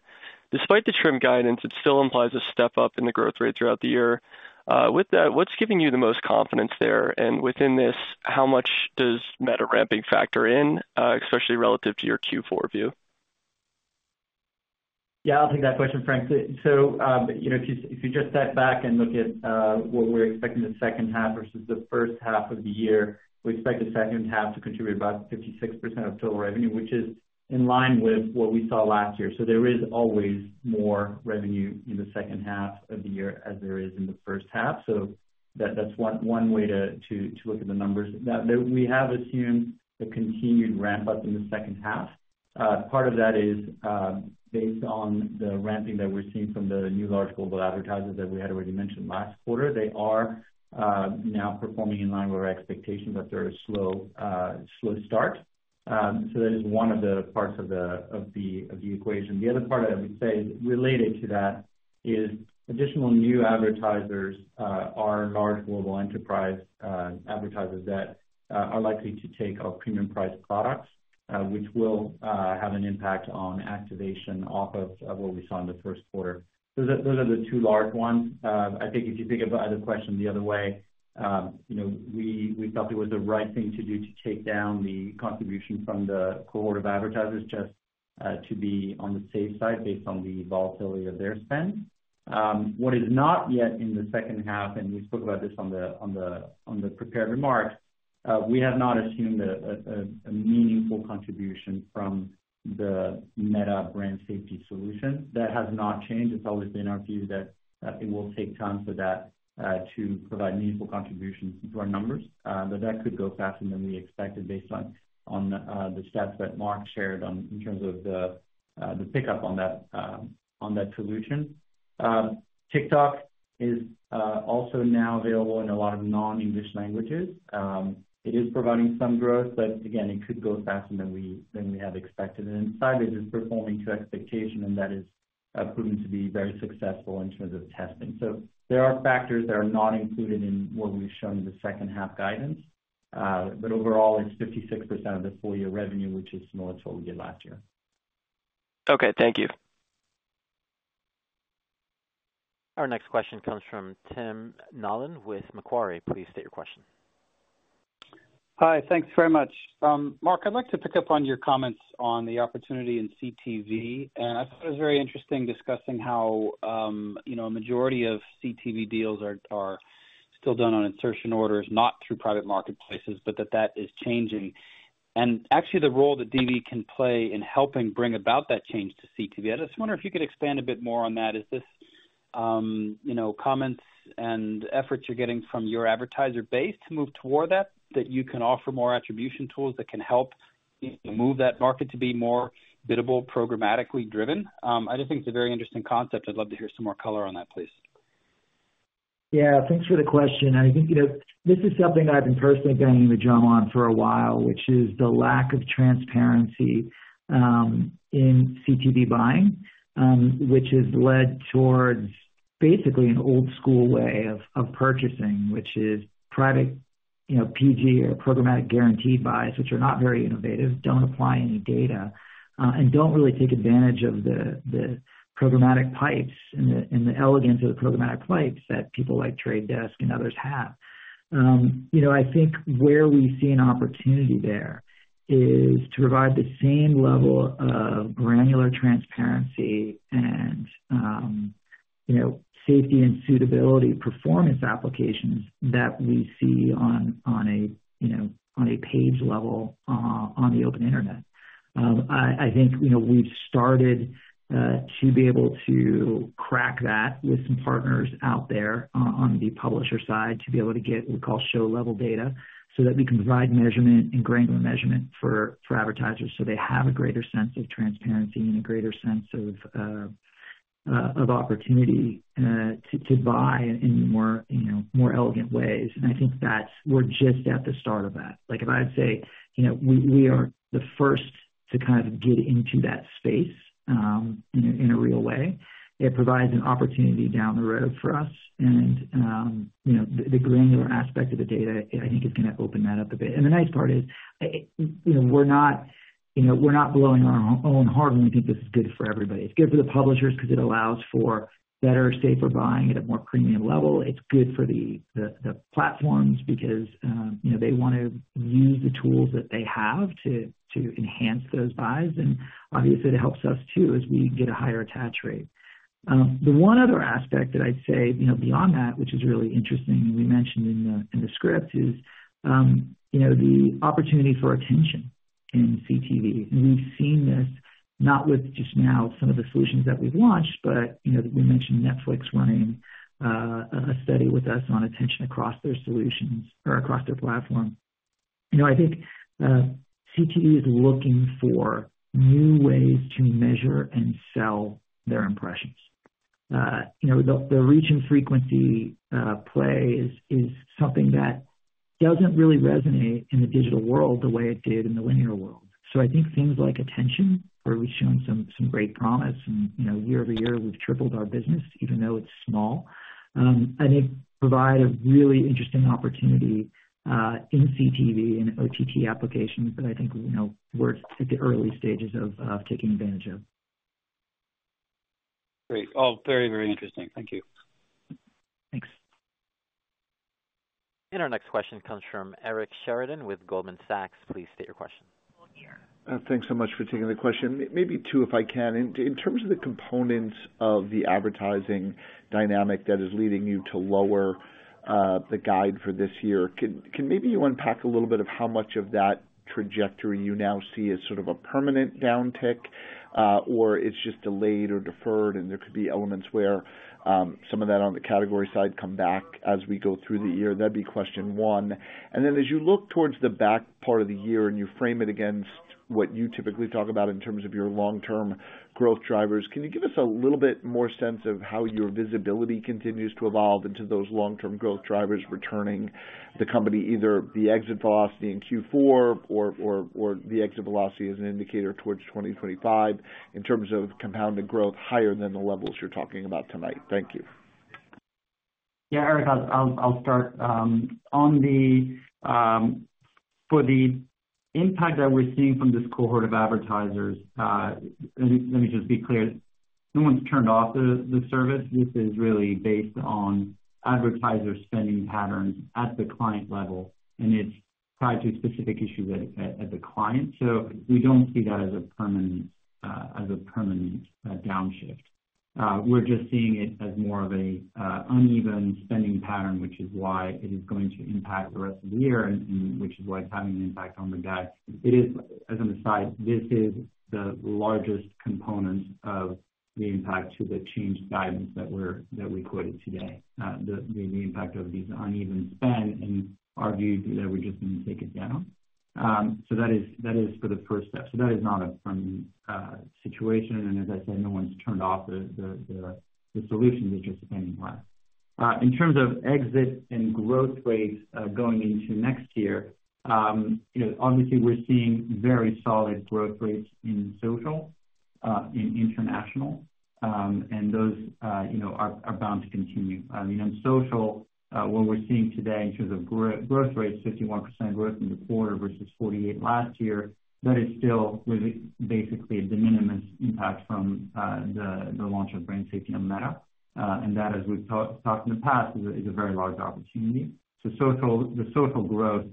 Despite the trimmed guidance, it still implies a step up in the growth rate throughout the year. With that, what's giving you the most confidence there? And within this, how much does Meta ramping factor in, especially relative to your Q4 view? Yeah, I'll take that question, Frank. So, you know, if you just step back and look at what we're expecting the second half versus the first half of the year, we expect the second half to contribute about 56% of total revenue, which is in line with what we saw last year. So there is always more revenue in the second half of the year than there is in the first half. So that's one way to look at the numbers. Now, we have assumed a continued ramp-up in the second half. Part of that is based on the ramping that we're seeing from the new large global advertisers that we had already mentioned last quarter. They are now performing in line with our expectations, but they're a slow start. So that is one of the parts of the equation. The other part, I would say, related to that, is additional new advertisers that are large global enterprise advertisers that are likely to take our premium priced products, which will have an impact on activation off of what we saw in the first quarter. So those are the two large ones. I think if you think about the question the other way, you know, we felt it was the right thing to do to take down the contribution from the cohort of advertisers just-... to be on the safe side based on the volatility of their spend. What is not yet in the second half, and we spoke about this on the prepared remarks, we have not assumed a meaningful contribution from the Meta brand safety solution. That has not changed. It's always been our view that it will take time for that to provide meaningful contributions to our numbers, but that could go faster than we expected based on the stats that Mark shared on, in terms of the pickup on that solution. TikTok is also now available in a lot of non-English languages. It is providing some growth, but again, it could go faster than we had expected. Then Scibids is performing to expectation, and that is proven to be very successful in terms of testing. There are factors that are not included in what we've shown in the second half guidance, but overall, it's 56% of the full year revenue, which is more than what we did last year. Okay, thank you. Our next question comes from Tim Nollen with Macquarie. Please state your question. Hi, thanks very much. Mark, I'd like to pick up on your comments on the opportunity in CTV, and I thought it was very interesting discussing how, you know, a majority of CTV deals are still done on insertion orders, not through private marketplaces, but that is changing. Actually, the role that DV can play in helping bring about that change to CTV. I just wonder if you could expand a bit more on that. Is this, you know, comments and efforts you're getting from your advertiser base to move toward that you can offer more attribution tools that can help move that market to be more biddable, programmatically driven? I just think it's a very interesting concept. I'd love to hear some more color on that, please. Yeah, thanks for the question. I think, you know, this is something I've been personally banging the drum on for a while, which is the lack of transparency in CTV buying, which has led towards basically an old school way of purchasing, which is private, you know, PG or programmatic guaranteed buys, which are not very innovative, don't apply any data, and don't really take advantage of the programmatic pipes and the elegance of the programmatic pipes that people like Trade Desk and others have. You know, I think where we see an opportunity there is to provide the same level of granular transparency and, you know, safety and suitability performance applications that we see on a, you know, on a page level on the open internet. I think, you know, we've started to be able to crack that with some partners out there on the publisher side, to be able to get what we call show level data, so that we can provide measurement and granular measurement for advertisers, so they have a greater sense of transparency and a greater sense of opportunity to buy in more, you know, more elegant ways. And I think that's. We're just at the start of that. Like, if I'd say, you know, we are the first to kind of get into that space, in a real way. It provides an opportunity down the road for us, and you know, the granular aspect of the data, I think, is gonna open that up a bit. The nice part is, you know, we're not, you know, we're not blowing our own horn when we think this is good for everybody. It's good for the publishers because it allows for better, safer buying at a more premium level. It's good for the platforms because, you know, they want to use the tools that they have to, to enhance those buys, and obviously, it helps us too, as we get a higher attach rate. The one other aspect that I'd say, you know, beyond that, which is really interesting, and we mentioned in the, in the script, is, you know, the opportunity for attention in CTV. We've seen this not with just now some of the solutions that we've launched, but, you know, we mentioned Netflix running a study with us on attention across their solutions or across their platform. You know, I think CTV is looking for new ways to measure and sell their impressions. You know, the reach and frequency play is something that doesn't really resonate in the digital world the way it did in the linear world. So I think things like attention, where we've shown some great promise and, you know, year-over-year, we've tripled our business, even though it's small. And it provide a really interesting opportunity in CTV and OTT applications that I think, you know, we're at the early stages of taking advantage of. Great. All very, very interesting. Thank you. Thanks. Our next question comes from Eric Sheridan with Goldman Sachs. Please state your question. Thanks so much for taking the question. Maybe two, if I can. In terms of the components of the advertising dynamic that is leading you to lower the guide for this year, can maybe you unpack a little bit of how much of that trajectory you now see as sort of a permanent downtick, or it's just delayed or deferred, and there could be elements where some of that on the category side come back as we go through the year? That'd be question one. As you look towards the back part of the year and you frame it against what you typically talk about in terms of your long-term growth drivers, can you give us a little bit more sense of how your visibility continues to evolve into those long-term growth drivers returning the company, either the exit velocity in Q4 or the exit velocity as an indicator towards 2025, in terms of compounded growth higher than the levels you're talking about tonight? Thank you. Yeah, Eric, I'll start. On the... For the impact that we're seeing from this cohort of advertisers, let me just be clear No one's turned off the service. This is really based on advertiser spending patterns at the client level, and it's tied to a specific issue at the client. So we don't see that as a permanent downshift. We're just seeing it as more of a uneven spending pattern, which is why it is going to impact the rest of the year and which is why it's having an impact on the guide. It is, as an aside, this is the largest component of the impact to the changed guidance that we're—that we quoted today, the impact of these uneven spend, and our view is that we're just going to take it down. So that is for the first step. So that is not a permanent situation, and as I said, no one's turned off the solution they're just spending less. In terms of exit and growth rates going into next year, you know, obviously, we're seeing very solid growth rates in social, in international. And those, you know, are bound to continue. I mean, on social, what we're seeing today in terms of growth rates, 51% growth in the quarter versus 48 last year, that is still really basically a de minimis impact from the launch of brand safety on Meta. And that, as we've talked in the past, is a very large opportunity. So the social growth,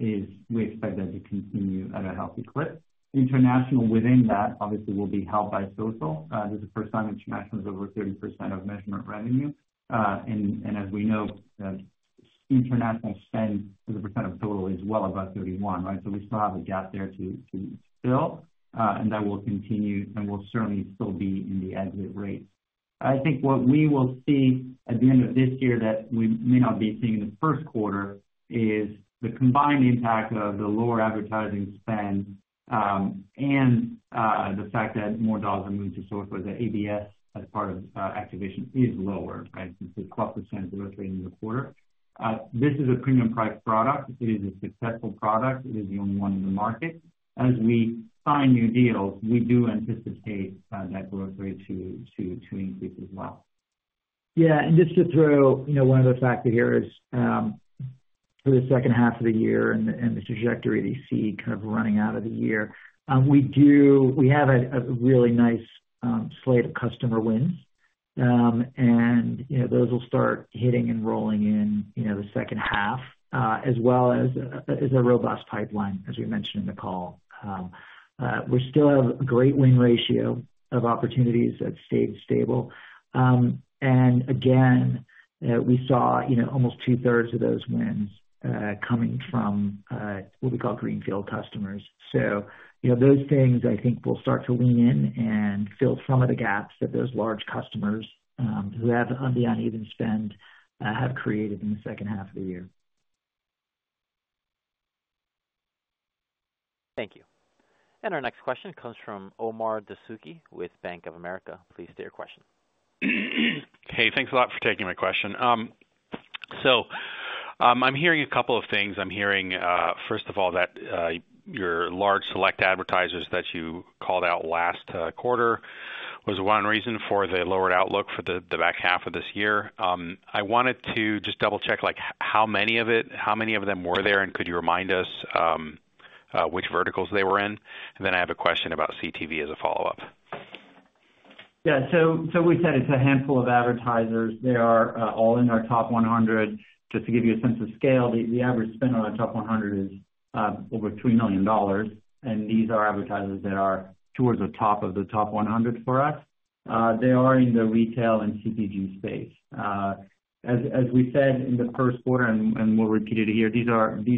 is we expect that to continue at a healthy clip. International within that obviously will be helped by social. This is the first time international is over 30% of measurement revenue. And as we know, international spend, as a percent of total, is well above 31, right? So we still have a gap there to fill, and that will continue and will certainly still be in the exit rates. I think what we will see at the end of this year that we may not be seeing in the first quarter, is the combined impact of the lower advertising spend, and the fact that more dollars are moving to social, the ABS, as part of activation, is lower, right? It's a 12% growth rate in the quarter. This is a premium price product. It is a successful product. It is the only one in the market. As we sign new deals, we do anticipate that growth rate to increase as well. Yeah, and just to throw, you know, one other factor here is, for the second half of the year and the trajectory that you see kind of running out of the year. We do—we have a really nice slate of customer wins. And, you know, those will start hitting and rolling in, you know, the second half, as well as a robust pipeline, as we mentioned in the call. We still have a great win ratio of opportunities that stayed stable. And again, we saw, you know, almost two-thirds of those wins coming from what we call greenfield customers. So, you know, those things I think will start to lean in and fill some of the gaps that those large customers who have the uneven spend have created in the second half of the year. Thank you. Our next question comes from Omar Dessouky, with Bank of America. Please state your question. Hey, thanks a lot for taking my question. I'm hearing a couple of things. I'm hearing, first of all, that your large select advertisers that you called out last quarter was one reason for the lowered outlook for the back half of this year. I wanted to just double check, like, how many of them were there, and could you remind us which verticals they were in? And then I have a question about CTV as a follow-up. Yeah. So we said it's a handful of advertisers. They are all in our top 100. Just to give you a sense of scale, the average spend on our top 100 is over $3 million, and these are advertisers that are towards the top of the top 100 for us. They are in the retail and CPG space. As we said in the first quarter, and we'll repeat it here, these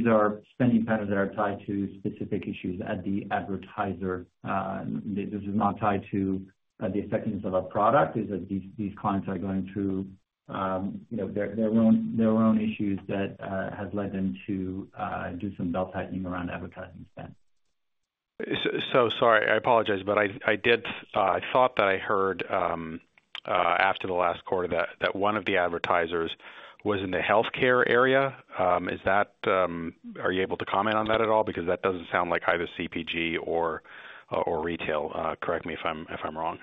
are spending patterns that are tied to specific issues at the advertiser. This is not tied to the effectiveness of our product. These clients are going through, you know, their own issues that has led them to do some belt-tightening around advertising spend. So sorry, I apologize, but I did—I thought that I heard after the last quarter, that one of the advertisers was in the healthcare area. Is that... Are you able to comment on that at all? Because that doesn't sound like either CPG or retail. Correct me if I'm wrong.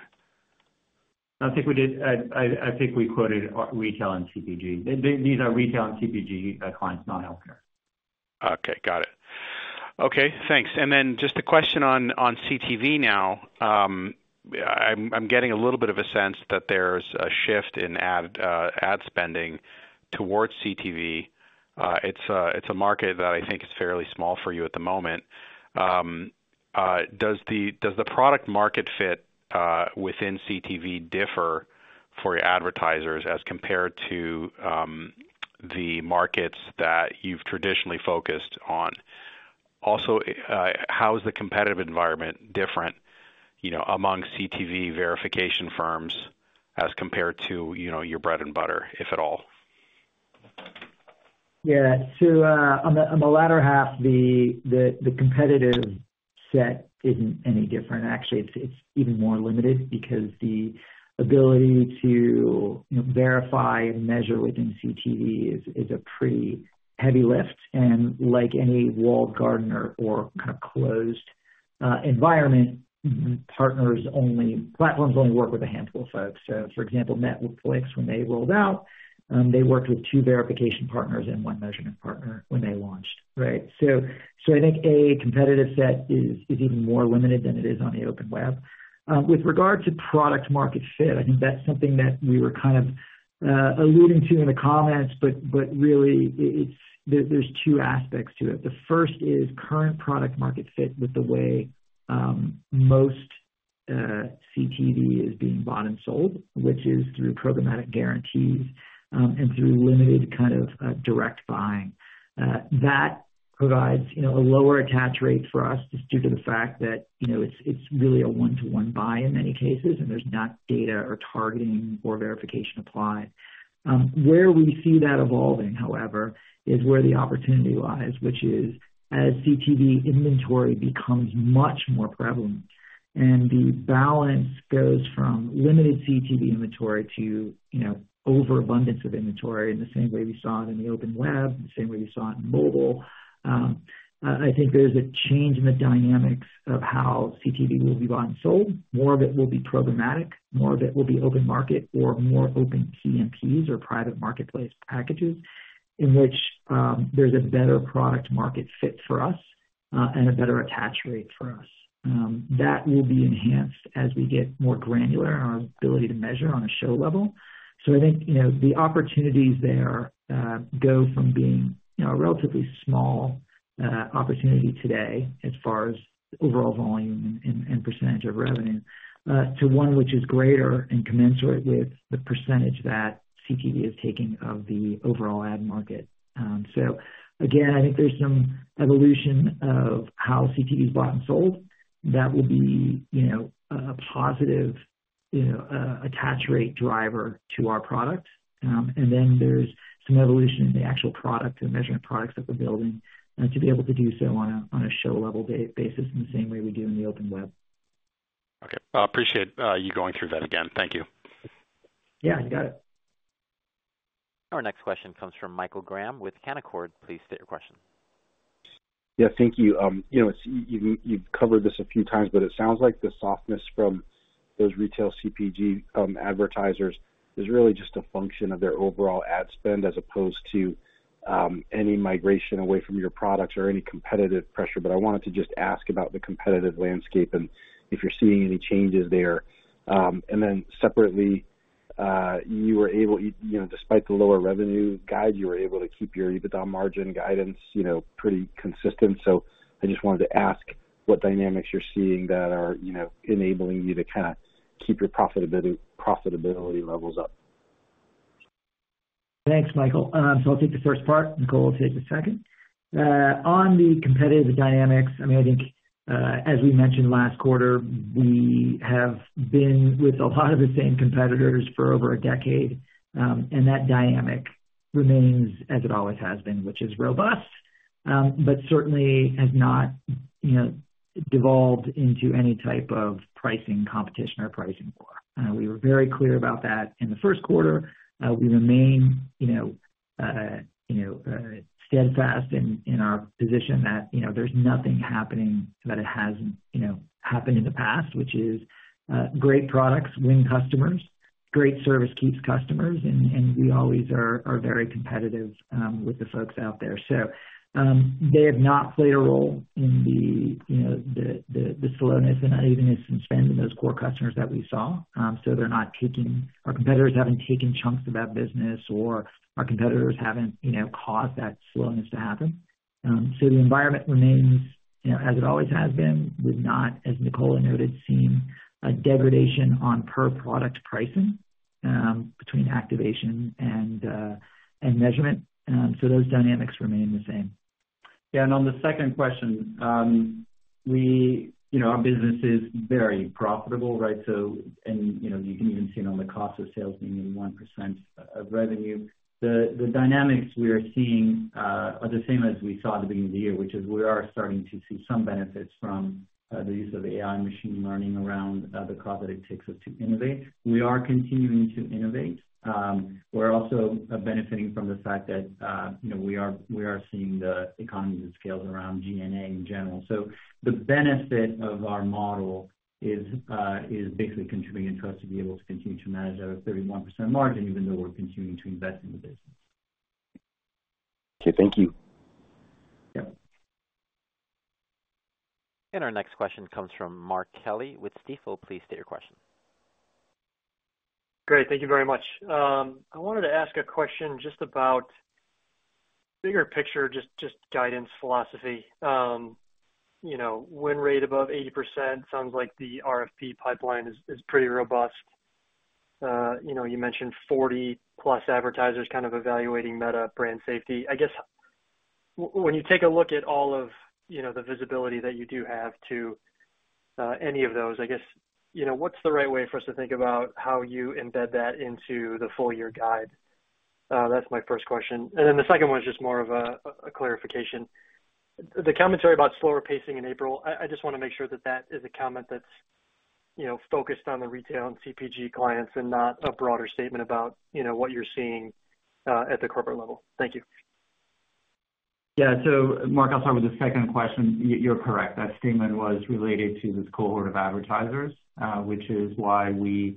I think we quoted retail and CPG. These are retail and CPG clients, not healthcare. Okay, got it. Okay, thanks. And then just a question on CTV now. I'm getting a little bit of a sense that there's a shift in ad spending towards CTV. It's a market that I think is fairly small for you at the moment. Does the product market fit within CTV differ for your advertisers as compared to the markets that you've traditionally focused on? Also, how is the competitive environment different, you know, among CTV verification firms as compared to, you know, your bread and butter, if at all? Yeah. So on the latter half, the competitive set isn't any different. Actually, it's even more limited because the ability to, you know, verify and measure within CTV is a pretty heavy lift, and like any walled garden or kind of closed environment, partners only platforms only work with a handful of folks. So for example, Netflix, when they rolled out, they worked with two verification partners and one measurement partner when they launched, right? So I think a competitive set is even more limited than it is on the open web. With regard to product market fit, I think that's something that we were kind of alluding to in the comments, but really, it's there are two aspects to it. The first is current product market fit with the way, most, CTV is being bought and sold, which is through Programmatic Guaranteed, and through limited kind of, direct buying. That provides, you know, a lower attach rate for us, just due to the fact that, you know, it's, it's really a one-to-one buy in many cases, and there's not data or targeting or verification applied. Where we see that evolving, however, is where the opportunity lies, which is as CTV inventory becomes much more prevalent and the balance goes from limited CTV inventory to, you know, overabundance of inventory in the same way we saw it in the open web, the same way we saw it in mobile. I think there's a change in the dynamics of how CTV will be bought and sold. More of it will be programmatic, more of it will be open market or more open CMPs or private marketplace packages, in which, there's a better product market fit for us, and a better attach rate for us. That will be enhanced as we get more granular in our ability to measure on a show level. So I think, you know, the opportunities there, go from being, you know, a relatively small, opportunity today as far as overall volume and percentage of revenue, to one which is greater and commensurate with the percentage that CTV is taking of the overall ad market. So again, I think there's some evolution of how CTV is bought and sold. That will be, you know, a positive, you know, attach rate driver to our product. And then there's some evolution in the actual product, the measurement products that we're building, to be able to do so on a show-level basis, in the same way we do in the open web. Okay. I appreciate you going through that again. Thank you. Yeah, you got it. Our next question comes from Michael Graham with Canaccord. Please state your question. Yeah, thank you. You know, you've covered this a few times, but it sounds like the softness from those retail CPG advertisers is really just a function of their overall ad spend, as opposed to any migration away from your products or any competitive pressure. But I wanted to just ask about the competitive landscape and if you're seeing any changes there. And then separately, you were able, you know, despite the lower revenue guide, you were able to keep your EBITDA margin guidance pretty consistent. So I just wanted to ask what dynamics you're seeing that are enabling you to kind of keep your profitability, profitability levels up? Thanks, Michael. So I'll take the first part, Nicola will take the second. On the competitive dynamics, I mean, I think, as we mentioned last quarter, we have been with a lot of the same competitors for over a decade, and that dynamic remains as it always has been, which is robust, but certainly has not, you know, devolved into any type of pricing competition or pricing war. We were very clear about that in the first quarter. We remain, you know, steadfast in our position that, you know, there's nothing happening that it hasn't, you know, happened in the past, which is, great products win customers, great service keeps customers, and we always are very competitive with the folks out there. So, they have not played a role in the, you know, the slowness and unevenness in spending those core customers that we saw. So they're not taking- our competitors haven't taken chunks of our business or our competitors haven't, you know, caused that slowness to happen. So the environment remains, you know, as it always has been, with not, as Nicola noted, seen a degradation on per product pricing, between activation and measurement. So those dynamics remain the same. Yeah, and on the second question, you know, our business is very profitable, right? So, and, you know, you can even see it on the cost of sales being 1% of revenue. The dynamics we are seeing are the same as we saw at the beginning of the year, which is we are starting to see some benefits from the use of AI and machine learning around the cost that it takes us to innovate. We are continuing to innovate. We're also benefiting from the fact that, you know, we are seeing the economies of scale around G&A in general. So the benefit of our model is basically contributing to us to be able to continue to manage our 31% margin, even though we're continuing to invest in the business. Okay, thank you. Yeah. Our next question comes from Mark Kelley with Stifel. Please state your question. Great. Thank you very much. I wanted to ask a question just about bigger picture, just guidance, philosophy. You know, win rate above 80% sounds like the RFP pipeline is pretty robust. You know, you mentioned 40+ advertisers kind of evaluating Meta brand safety. I guess when you take a look at all of, you know, the visibility that you do have to any of those, I guess, you know, what's the right way for us to think about how you embed that into the full year guide? That's my first question. And then the second one is just more of a clarification. The commentary about slower pacing in April, I just want to make sure that that is a comment that's, you know, focused on the retail and CPG clients and not a broader statement about, you know, what you're seeing at the corporate level. Thank you. ... Yeah. So Mark, I'll start with the second question. You, you're correct. That statement was related to this cohort of advertisers, which is why we,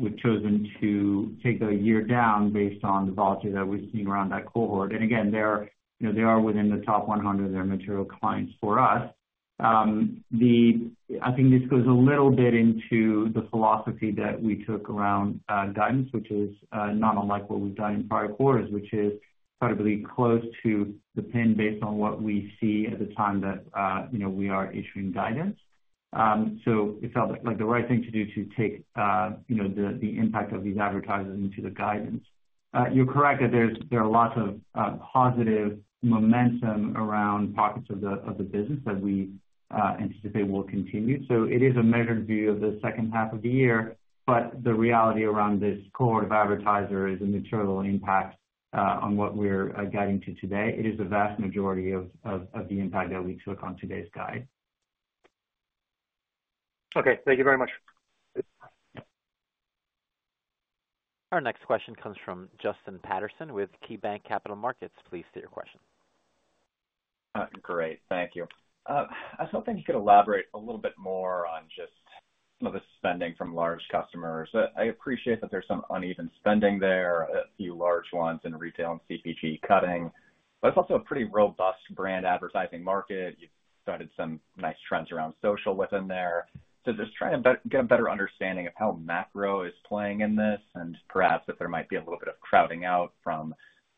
we've chosen to take the year down based on the volatility that we've seen around that cohort. And again, they're, you know, they are within the top 100, they're material clients for us. I think this goes a little bit into the philosophy that we took around guidance, which is not unlike what we've done in prior quarters, which is incredibly close to the pin based on what we see at the time that, you know, we are issuing guidance. So it felt like the right thing to do to take, you know, the impact of these advertisers into the guidance. You're correct that there are lots of positive momentum around pockets of the business that we anticipate will continue. So it is a measured view of the second half of the year, but the reality around this cohort of advertisers is a material impact on what we're guiding to today. It is the vast majority of the impact that we took on today's guide. Okay, thank you very much. Our next question comes from Justin Patterson with KeyBanc Capital Markets. Please state your question. Great, thank you. I was hoping you could elaborate a little bit more on just some of the spending from large customers. I appreciate that there's some uneven spending there, a few large ones in retail and CPG cutting, but it's also a pretty robust brand advertising market. You've started some nice trends around social within there. So just trying to get a better understanding of how macro is playing in this, and perhaps if there might be a little bit of crowding out from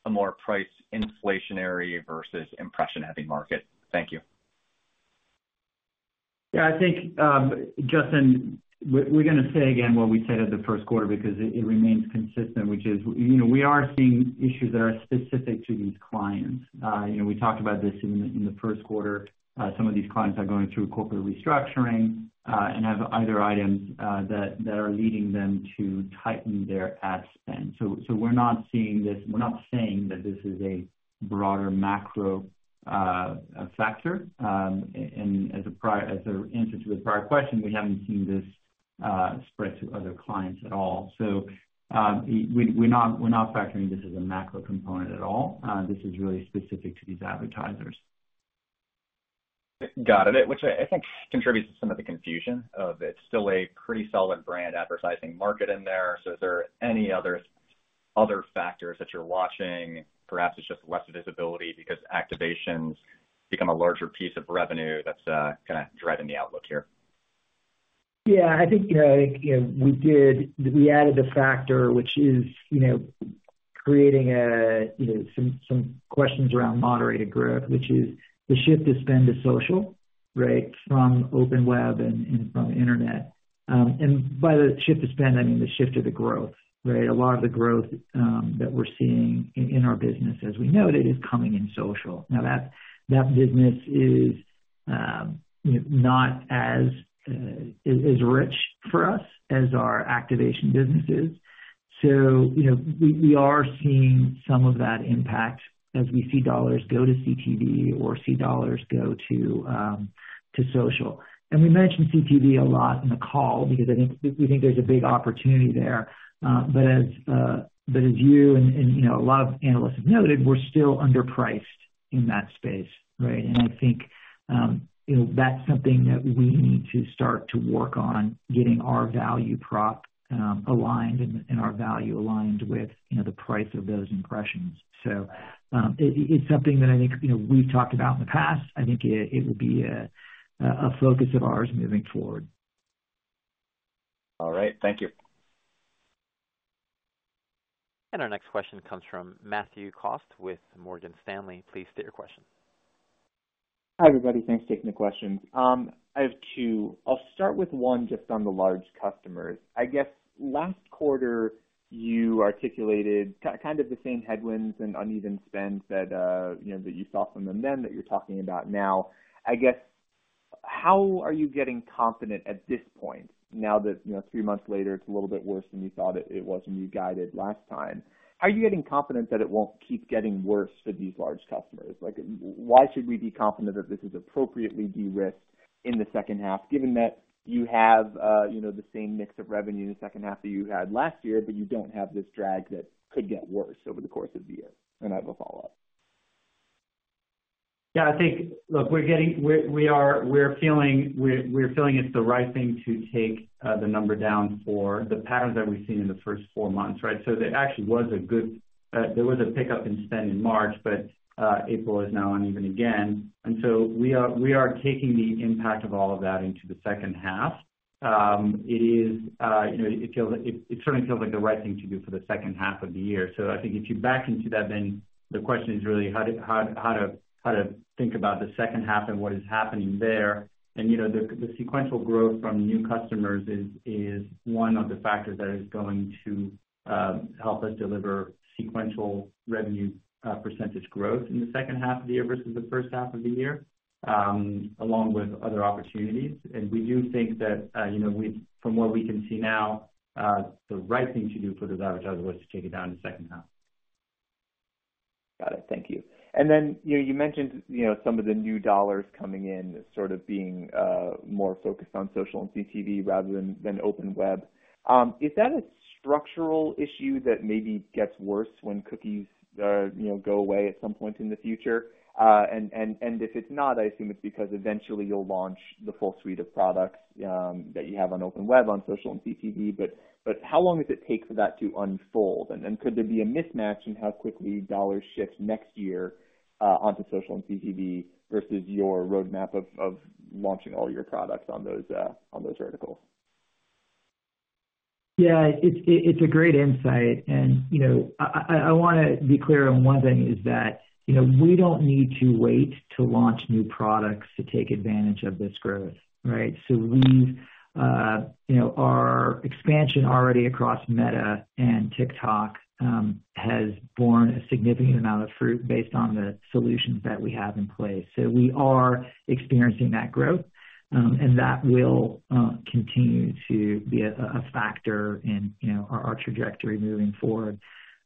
a more price inflationary versus impression-heavy market. Thank you. Yeah, I think, Justin, we're gonna say again what we said at the first quarter because it remains consistent, which is, you know, we are seeing issues that are specific to these clients. You know, we talked about this in the first quarter. Some of these clients are going through corporate restructuring, and have other items that are leading them to tighten their ad spend. So we're not seeing this—we're not saying that this is a broader macro factor. And as an answer to the prior question, we haven't seen this spread to other clients at all. So, we're not, we're not factoring this as a macro component at all. This is really specific to these advertisers. Got it. Which I think contributes to some of the confusion, of it's still a pretty solid brand advertising market in there. So is there any other factors that you're watching? Perhaps it's just less visibility because activations become a larger piece of revenue that's kind of driving the outlook here. Yeah, I think, you know, we added a factor, which is, you know, creating some questions around moderated growth, which is the shift to spend to social, right? From open web and from internet. And by the shift to spend, I mean, the shift to the growth, right? A lot of the growth that we're seeing in our business, as we noted, is coming in social. Now, that business is, you know, not as rich for us as our activation business is. So, you know, we are seeing some of that impact as we see dollars go to CTV or see dollars go to social. And we mentioned CTV a lot in the call because I think we think there's a big opportunity there. But as you and you know, a lot of analysts have noted, we're still underpriced in that space, right? And I think you know, that's something that we need to start to work on, getting our value prop aligned and our value aligned with you know, the price of those impressions. So, it's something that I think you know, we've talked about in the past. I think it will be a focus of ours moving forward. All right, thank you. Our next question comes from Matthew Cost with Morgan Stanley. Please state your question. Hi, everybody. Thanks for taking the questions. I have two. I'll start with one just on the large customers. I guess last quarter, you articulated kind of the same headwinds and uneven spends that, you know, that you saw from them then, that you're talking about now. I guess, how are you getting confident at this point, now that, you know, three months later, it's a little bit worse than you thought it, it was when you guided last time? How are you getting confident that it won't keep getting worse for these large customers? Like, why should we be confident that this is appropriately de-risked in the second half, given that you have, you know, the same mix of revenue in the second half that you had last year, but you don't have this drag that could get worse over the course of the year? And I have a follow-up. Yeah, I think. Look, we're feeling it's the right thing to take the number down for the patterns that we've seen in the first four months, right? So there actually was a good pickup in spend in March, but April is now uneven again. And so we are taking the impact of all of that into the second half. You know, it certainly feels like the right thing to do for the second half of the year. So I think if you back into that, then the question is really how to think about the second half and what is happening there. You know, the sequential growth from new customers is one of the factors that is going to help us deliver sequential revenue percentage growth in the second half of the year versus the first half of the year, along with other opportunities. We do think that, you know, from what we can see now, the right thing to do for those advertisers was to take it down in the second half.... Got it. Thank you. And then, you know, you mentioned, you know, some of the new dollars coming in sort of being more focused on social and CTV rather than open web. Is that a structural issue that maybe gets worse when cookies, you know, go away at some point in the future? And if it's not, I assume it's because eventually you'll launch the full suite of products that you have on open web, on social and CTV. But how long does it take for that to unfold? And could there be a mismatch in how quickly dollars shift next year onto social and CTV versus your roadmap of launching all your products on those verticals? Yeah, it's a great insight. And, you know, I wanna be clear on one thing, is that, you know, we don't need to wait to launch new products to take advantage of this growth, right? So we've, you know, our expansion already across Meta and TikTok has borne a significant amount of fruit based on the solutions that we have in place. So we are experiencing that growth, and that will continue to be a factor in, you know, our trajectory moving forward.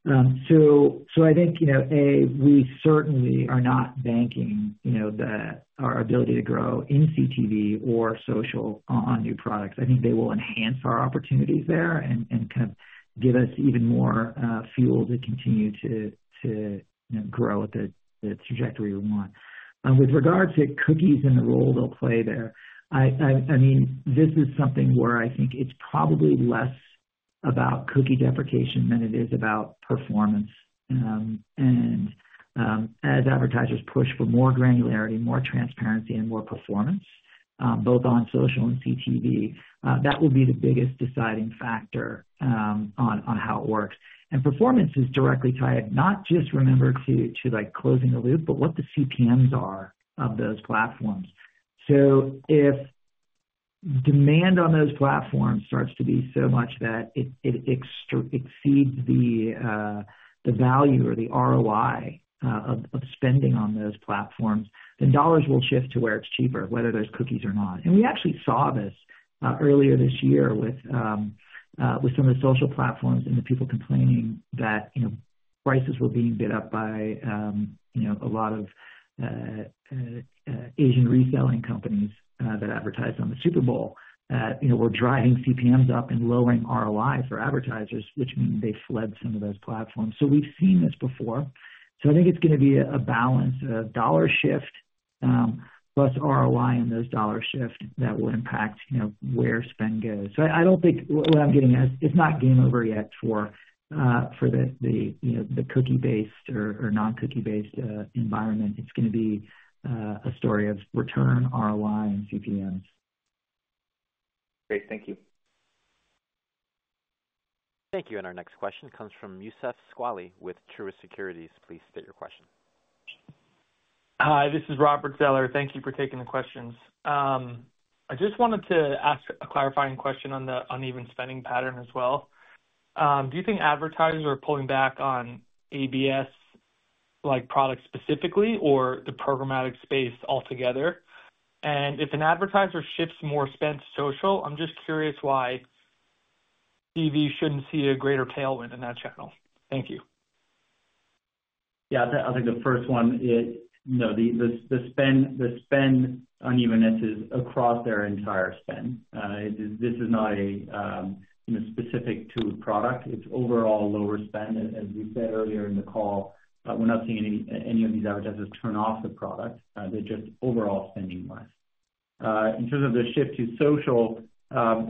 So I think, you know, we certainly are not banking, you know, our ability to grow in CTV or social on new products. I think they will enhance our opportunities there and kind of give us even more fuel to continue to you know grow at the trajectory we want. With regard to cookies and the role they'll play there, I mean, this is something where I think it's probably less about cookie deprecation than it is about performance. As advertisers push for more granularity, more transparency, and more performance, both on social and CTV, that will be the biggest deciding factor on how it works. Performance is directly tied, not just to like closing the loop, but what the CPMs are of those platforms. So if demand on those platforms starts to be so much that it exceeds the value or the ROI of spending on those platforms, then dollars will shift to where it's cheaper, whether there's cookies or not. And we actually saw this earlier this year with some of the social platforms and the people complaining that, you know, prices were being bid up by, you know, a lot of Asian reselling companies that advertised on the Super Bowl. You know, were driving CPMs up and lowering ROI for advertisers, which means they fled some of those platforms. So we've seen this before. So I think it's gonna be a balance, a dollar shift plus ROI, and those dollar shifts that will impact, you know, where spend goes. So I don't think... What I'm getting at, it's not game over yet for, you know, the cookie-based or non-cookie-based environment. It's gonna be a story of return, ROI, and CPMs. Great. Thank you. Thank you. Our next question comes from Youssef Squali with Truist Securities. Please state your question. Hi, this is Robert Zeller. Thank you for taking the questions. I just wanted to ask a clarifying question on the uneven spending pattern as well. Do you think advertisers are pulling back on ABS, like, products specifically, or the programmatic space altogether? And if an advertiser shifts more spend to social, I'm just curious why TV shouldn't see a greater tailwind in that channel. Thank you. Yeah, I think the first one is, you know, the spend unevenness is across their entire spend. It is—this is not a, you know, specific to a product, it's overall lower spend. As we said earlier in the call, we're not seeing any of these advertisers turn off the product, they're just overall spending less. In terms of the shift to social,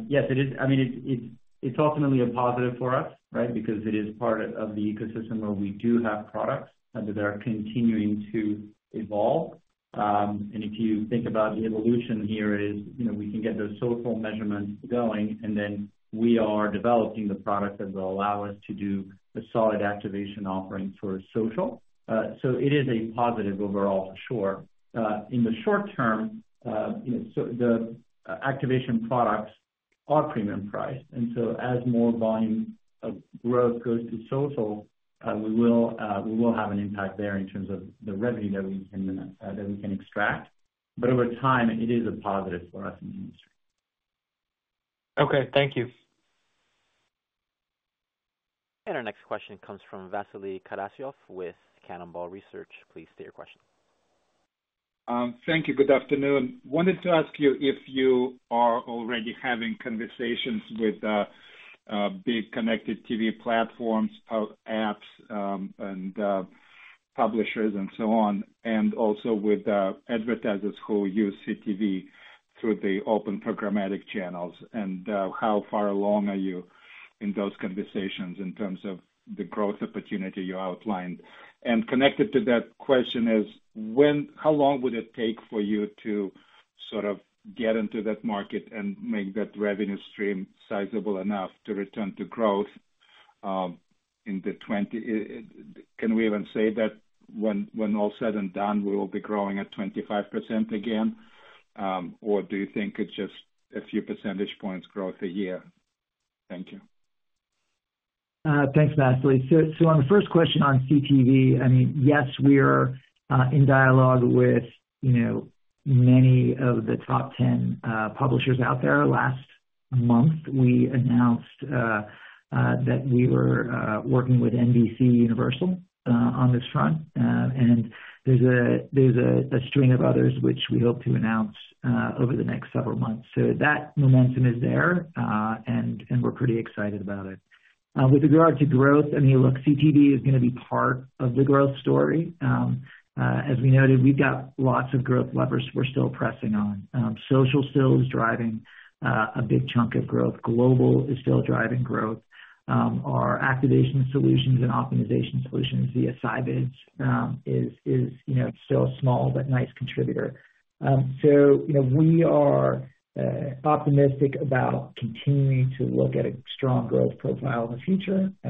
yes, it is... I mean, it's ultimately a positive for us, right? Because it is part of the ecosystem where we do have products, and that they are continuing to evolve. And if you think about the evolution here is, you know, we can get those social measurements going, and then we are developing the product that will allow us to do a solid activation offering for social. So it is a positive overall, for sure. In the short term, you know, so the activation products are premium priced, and so as more volume of growth goes to social, we will, we will have an impact there in terms of the revenue that we can, that we can extract. But over time, it is a positive for us in the industry. Okay, thank you. Our next question comes from Vasily Karasyov with Cannonball Research. Please state your question. Thank you. Good afternoon. Wanted to ask you if you are already having conversations with big connected TV platforms, apps, and publishers and so on, and also with advertisers who use CTV through the open programmatic channels, and how far along are you in those conversations in terms of the growth opportunity you outlined? And connected to that question is: When-- how long would it take for you to sort of get into that market and make that revenue stream sizable enough to return to growth in the twenty... Can we even say that when, when all is said and done, we will be growing at 25% again? Or do you think it's just a few percentage points growth a year? Thank you. Thanks, Vasily. So, on the first question on CTV, I mean, yes, we are in dialogue with, you know, many of the top 10 publishers out there last-... month, we announced that we were working with NBCUniversal on this front. And there's a string of others which we hope to announce over the next several months. So that momentum is there, and we're pretty excited about it. With regard to growth, I mean, look, CTV is gonna be part of the growth story. As we noted, we've got lots of growth levers we're still pressing on. Social still is driving a big chunk of growth. Global is still driving growth. Our activation solutions and optimization solutions via Scibids, you know, still a small but nice contributor. So, you know, we are optimistic about continuing to look at a strong growth profile in the future, you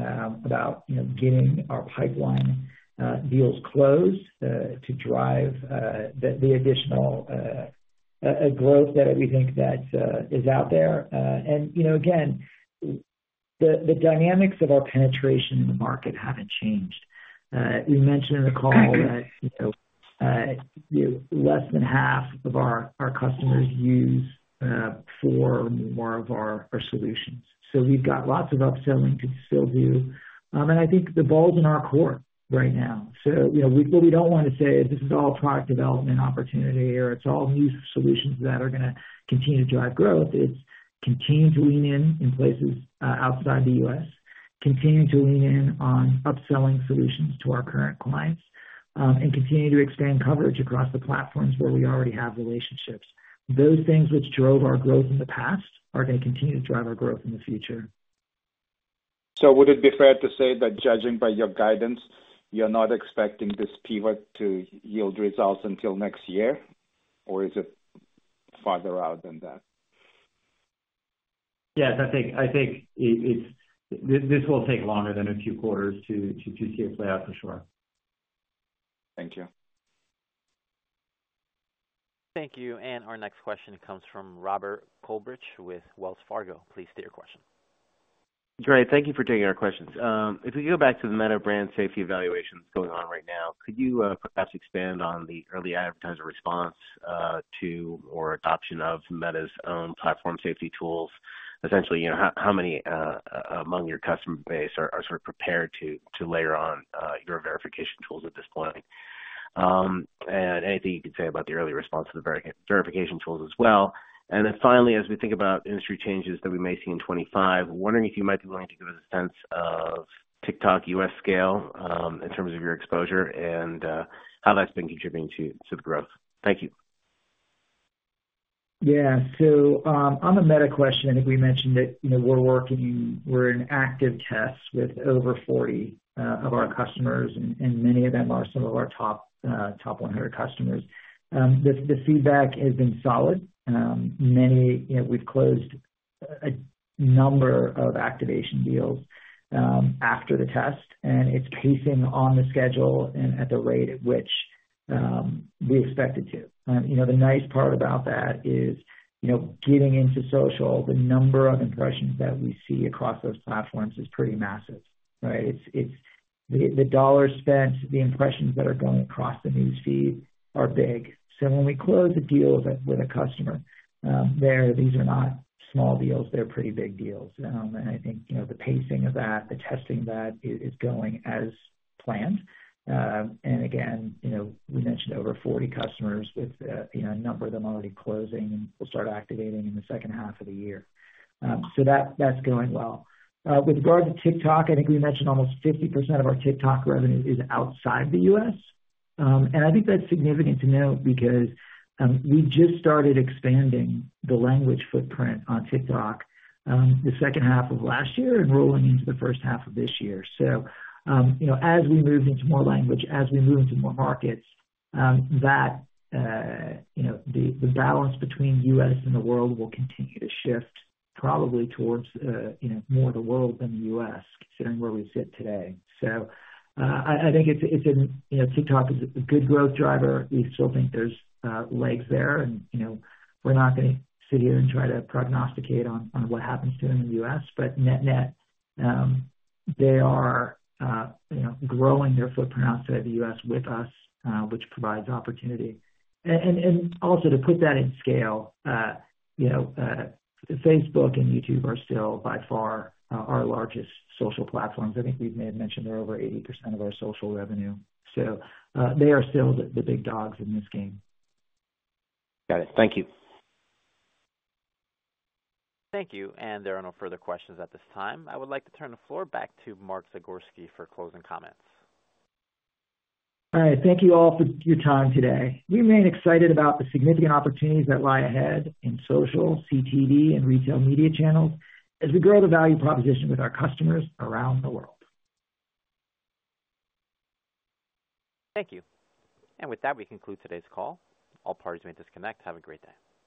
know, getting our pipeline deals closed to drive the additional growth that we think is out there. And, you know, again, the dynamics of our penetration in the market haven't changed. We mentioned in the call that, you know, less than half of our customers use four or more of our solutions. So we've got lots of upselling to still do. And I think the ball's in our court right now. So, you know, we don't want to say this is all product development opportunity or it's all new solutions that are gonna continue to drive growth. It's continuing to lean in in places outside the U.S., continuing to lean in on upselling solutions to our current clients, and continue to expand coverage across the platforms where we already have relationships. Those things which drove our growth in the past are going to continue to drive our growth in the future. So would it be fair to say that judging by your guidance, you're not expecting this pivot to yield results until next year? Or is it farther out than that? Yes, I think it's this will take longer than a few quarters to see it play out, for sure. Thank you. Thank you. And our next question comes from Robert Coolbrith with Wells Fargo. Please state your question. Great. Thank you for taking our questions. If we go back to the Meta brand safety evaluations going on right now, could you perhaps expand on the early advertiser response to or adoption of Meta's own platform safety tools? Essentially, you know, how many among your customer base are sort of prepared to layer on your verification tools at this point? And anything you could say about the early response to the verification tools as well. And then finally, as we think about industry changes that we may see in 25, wondering if you might be willing to give us a sense of TikTok U.S. scale, in terms of your exposure and how that's been contributing to the growth. Thank you. Yeah. So, on the Meta question, I think we mentioned that, you know, we're working- we're in active tests with over 40 of our customers, and many of them are some of our top 100 customers. The feedback has been solid. Many- you know, we've closed a number of activation deals after the test, and it's pacing on the schedule and at the rate at which we expect it to. You know, the nice part about that is, you know, getting into social, the number of impressions that we see across those platforms is pretty massive, right? It's the dollar spent, the impressions that are going across the news feed are big. So when we close a deal with a customer, there, these are not small deals, they're pretty big deals. And I think, you know, the pacing of that, the testing of that is going as planned. And again, you know, we mentioned over 40 customers with, you know, a number of them already closing and will start activating in the second half of the year. So that's going well. With regard to TikTok, I think we mentioned almost 50% of our TikTok revenue is outside the U.S. And I think that's significant to note because we just started expanding the language footprint on TikTok, the second half of last year and rolling into the first half of this year. So, you know, as we move into more language, as we move into more markets, that you know, the balance between U.S. and the world will continue to shift, probably towards, you know, more of the world than the U.S., considering where we sit today. So, I think... You know, TikTok is a good growth driver. We still think there's legs there and, you know, we're not gonna sit here and try to prognosticate on what happens to them in the U.S. But net-net, they are, you know, growing their footprint outside the U.S. with us, which provides opportunity. And also to put that in scale, you know, Facebook and YouTube are still by far our largest social platforms. I think we may have mentioned they're over 80% of our social revenue, so, they are still the big dogs in this game. Got it. Thank you. Thank you. There are no further questions at this time. I would like to turn the floor back to Mark Zagorski for closing comments. All right. Thank you all for your time today. We remain excited about the significant opportunities that lie ahead in social, CTV, and retail media channels, as we grow the value proposition with our customers around the world. Thank you. And with that, we conclude today's call. All parties may disconnect. Have a great day.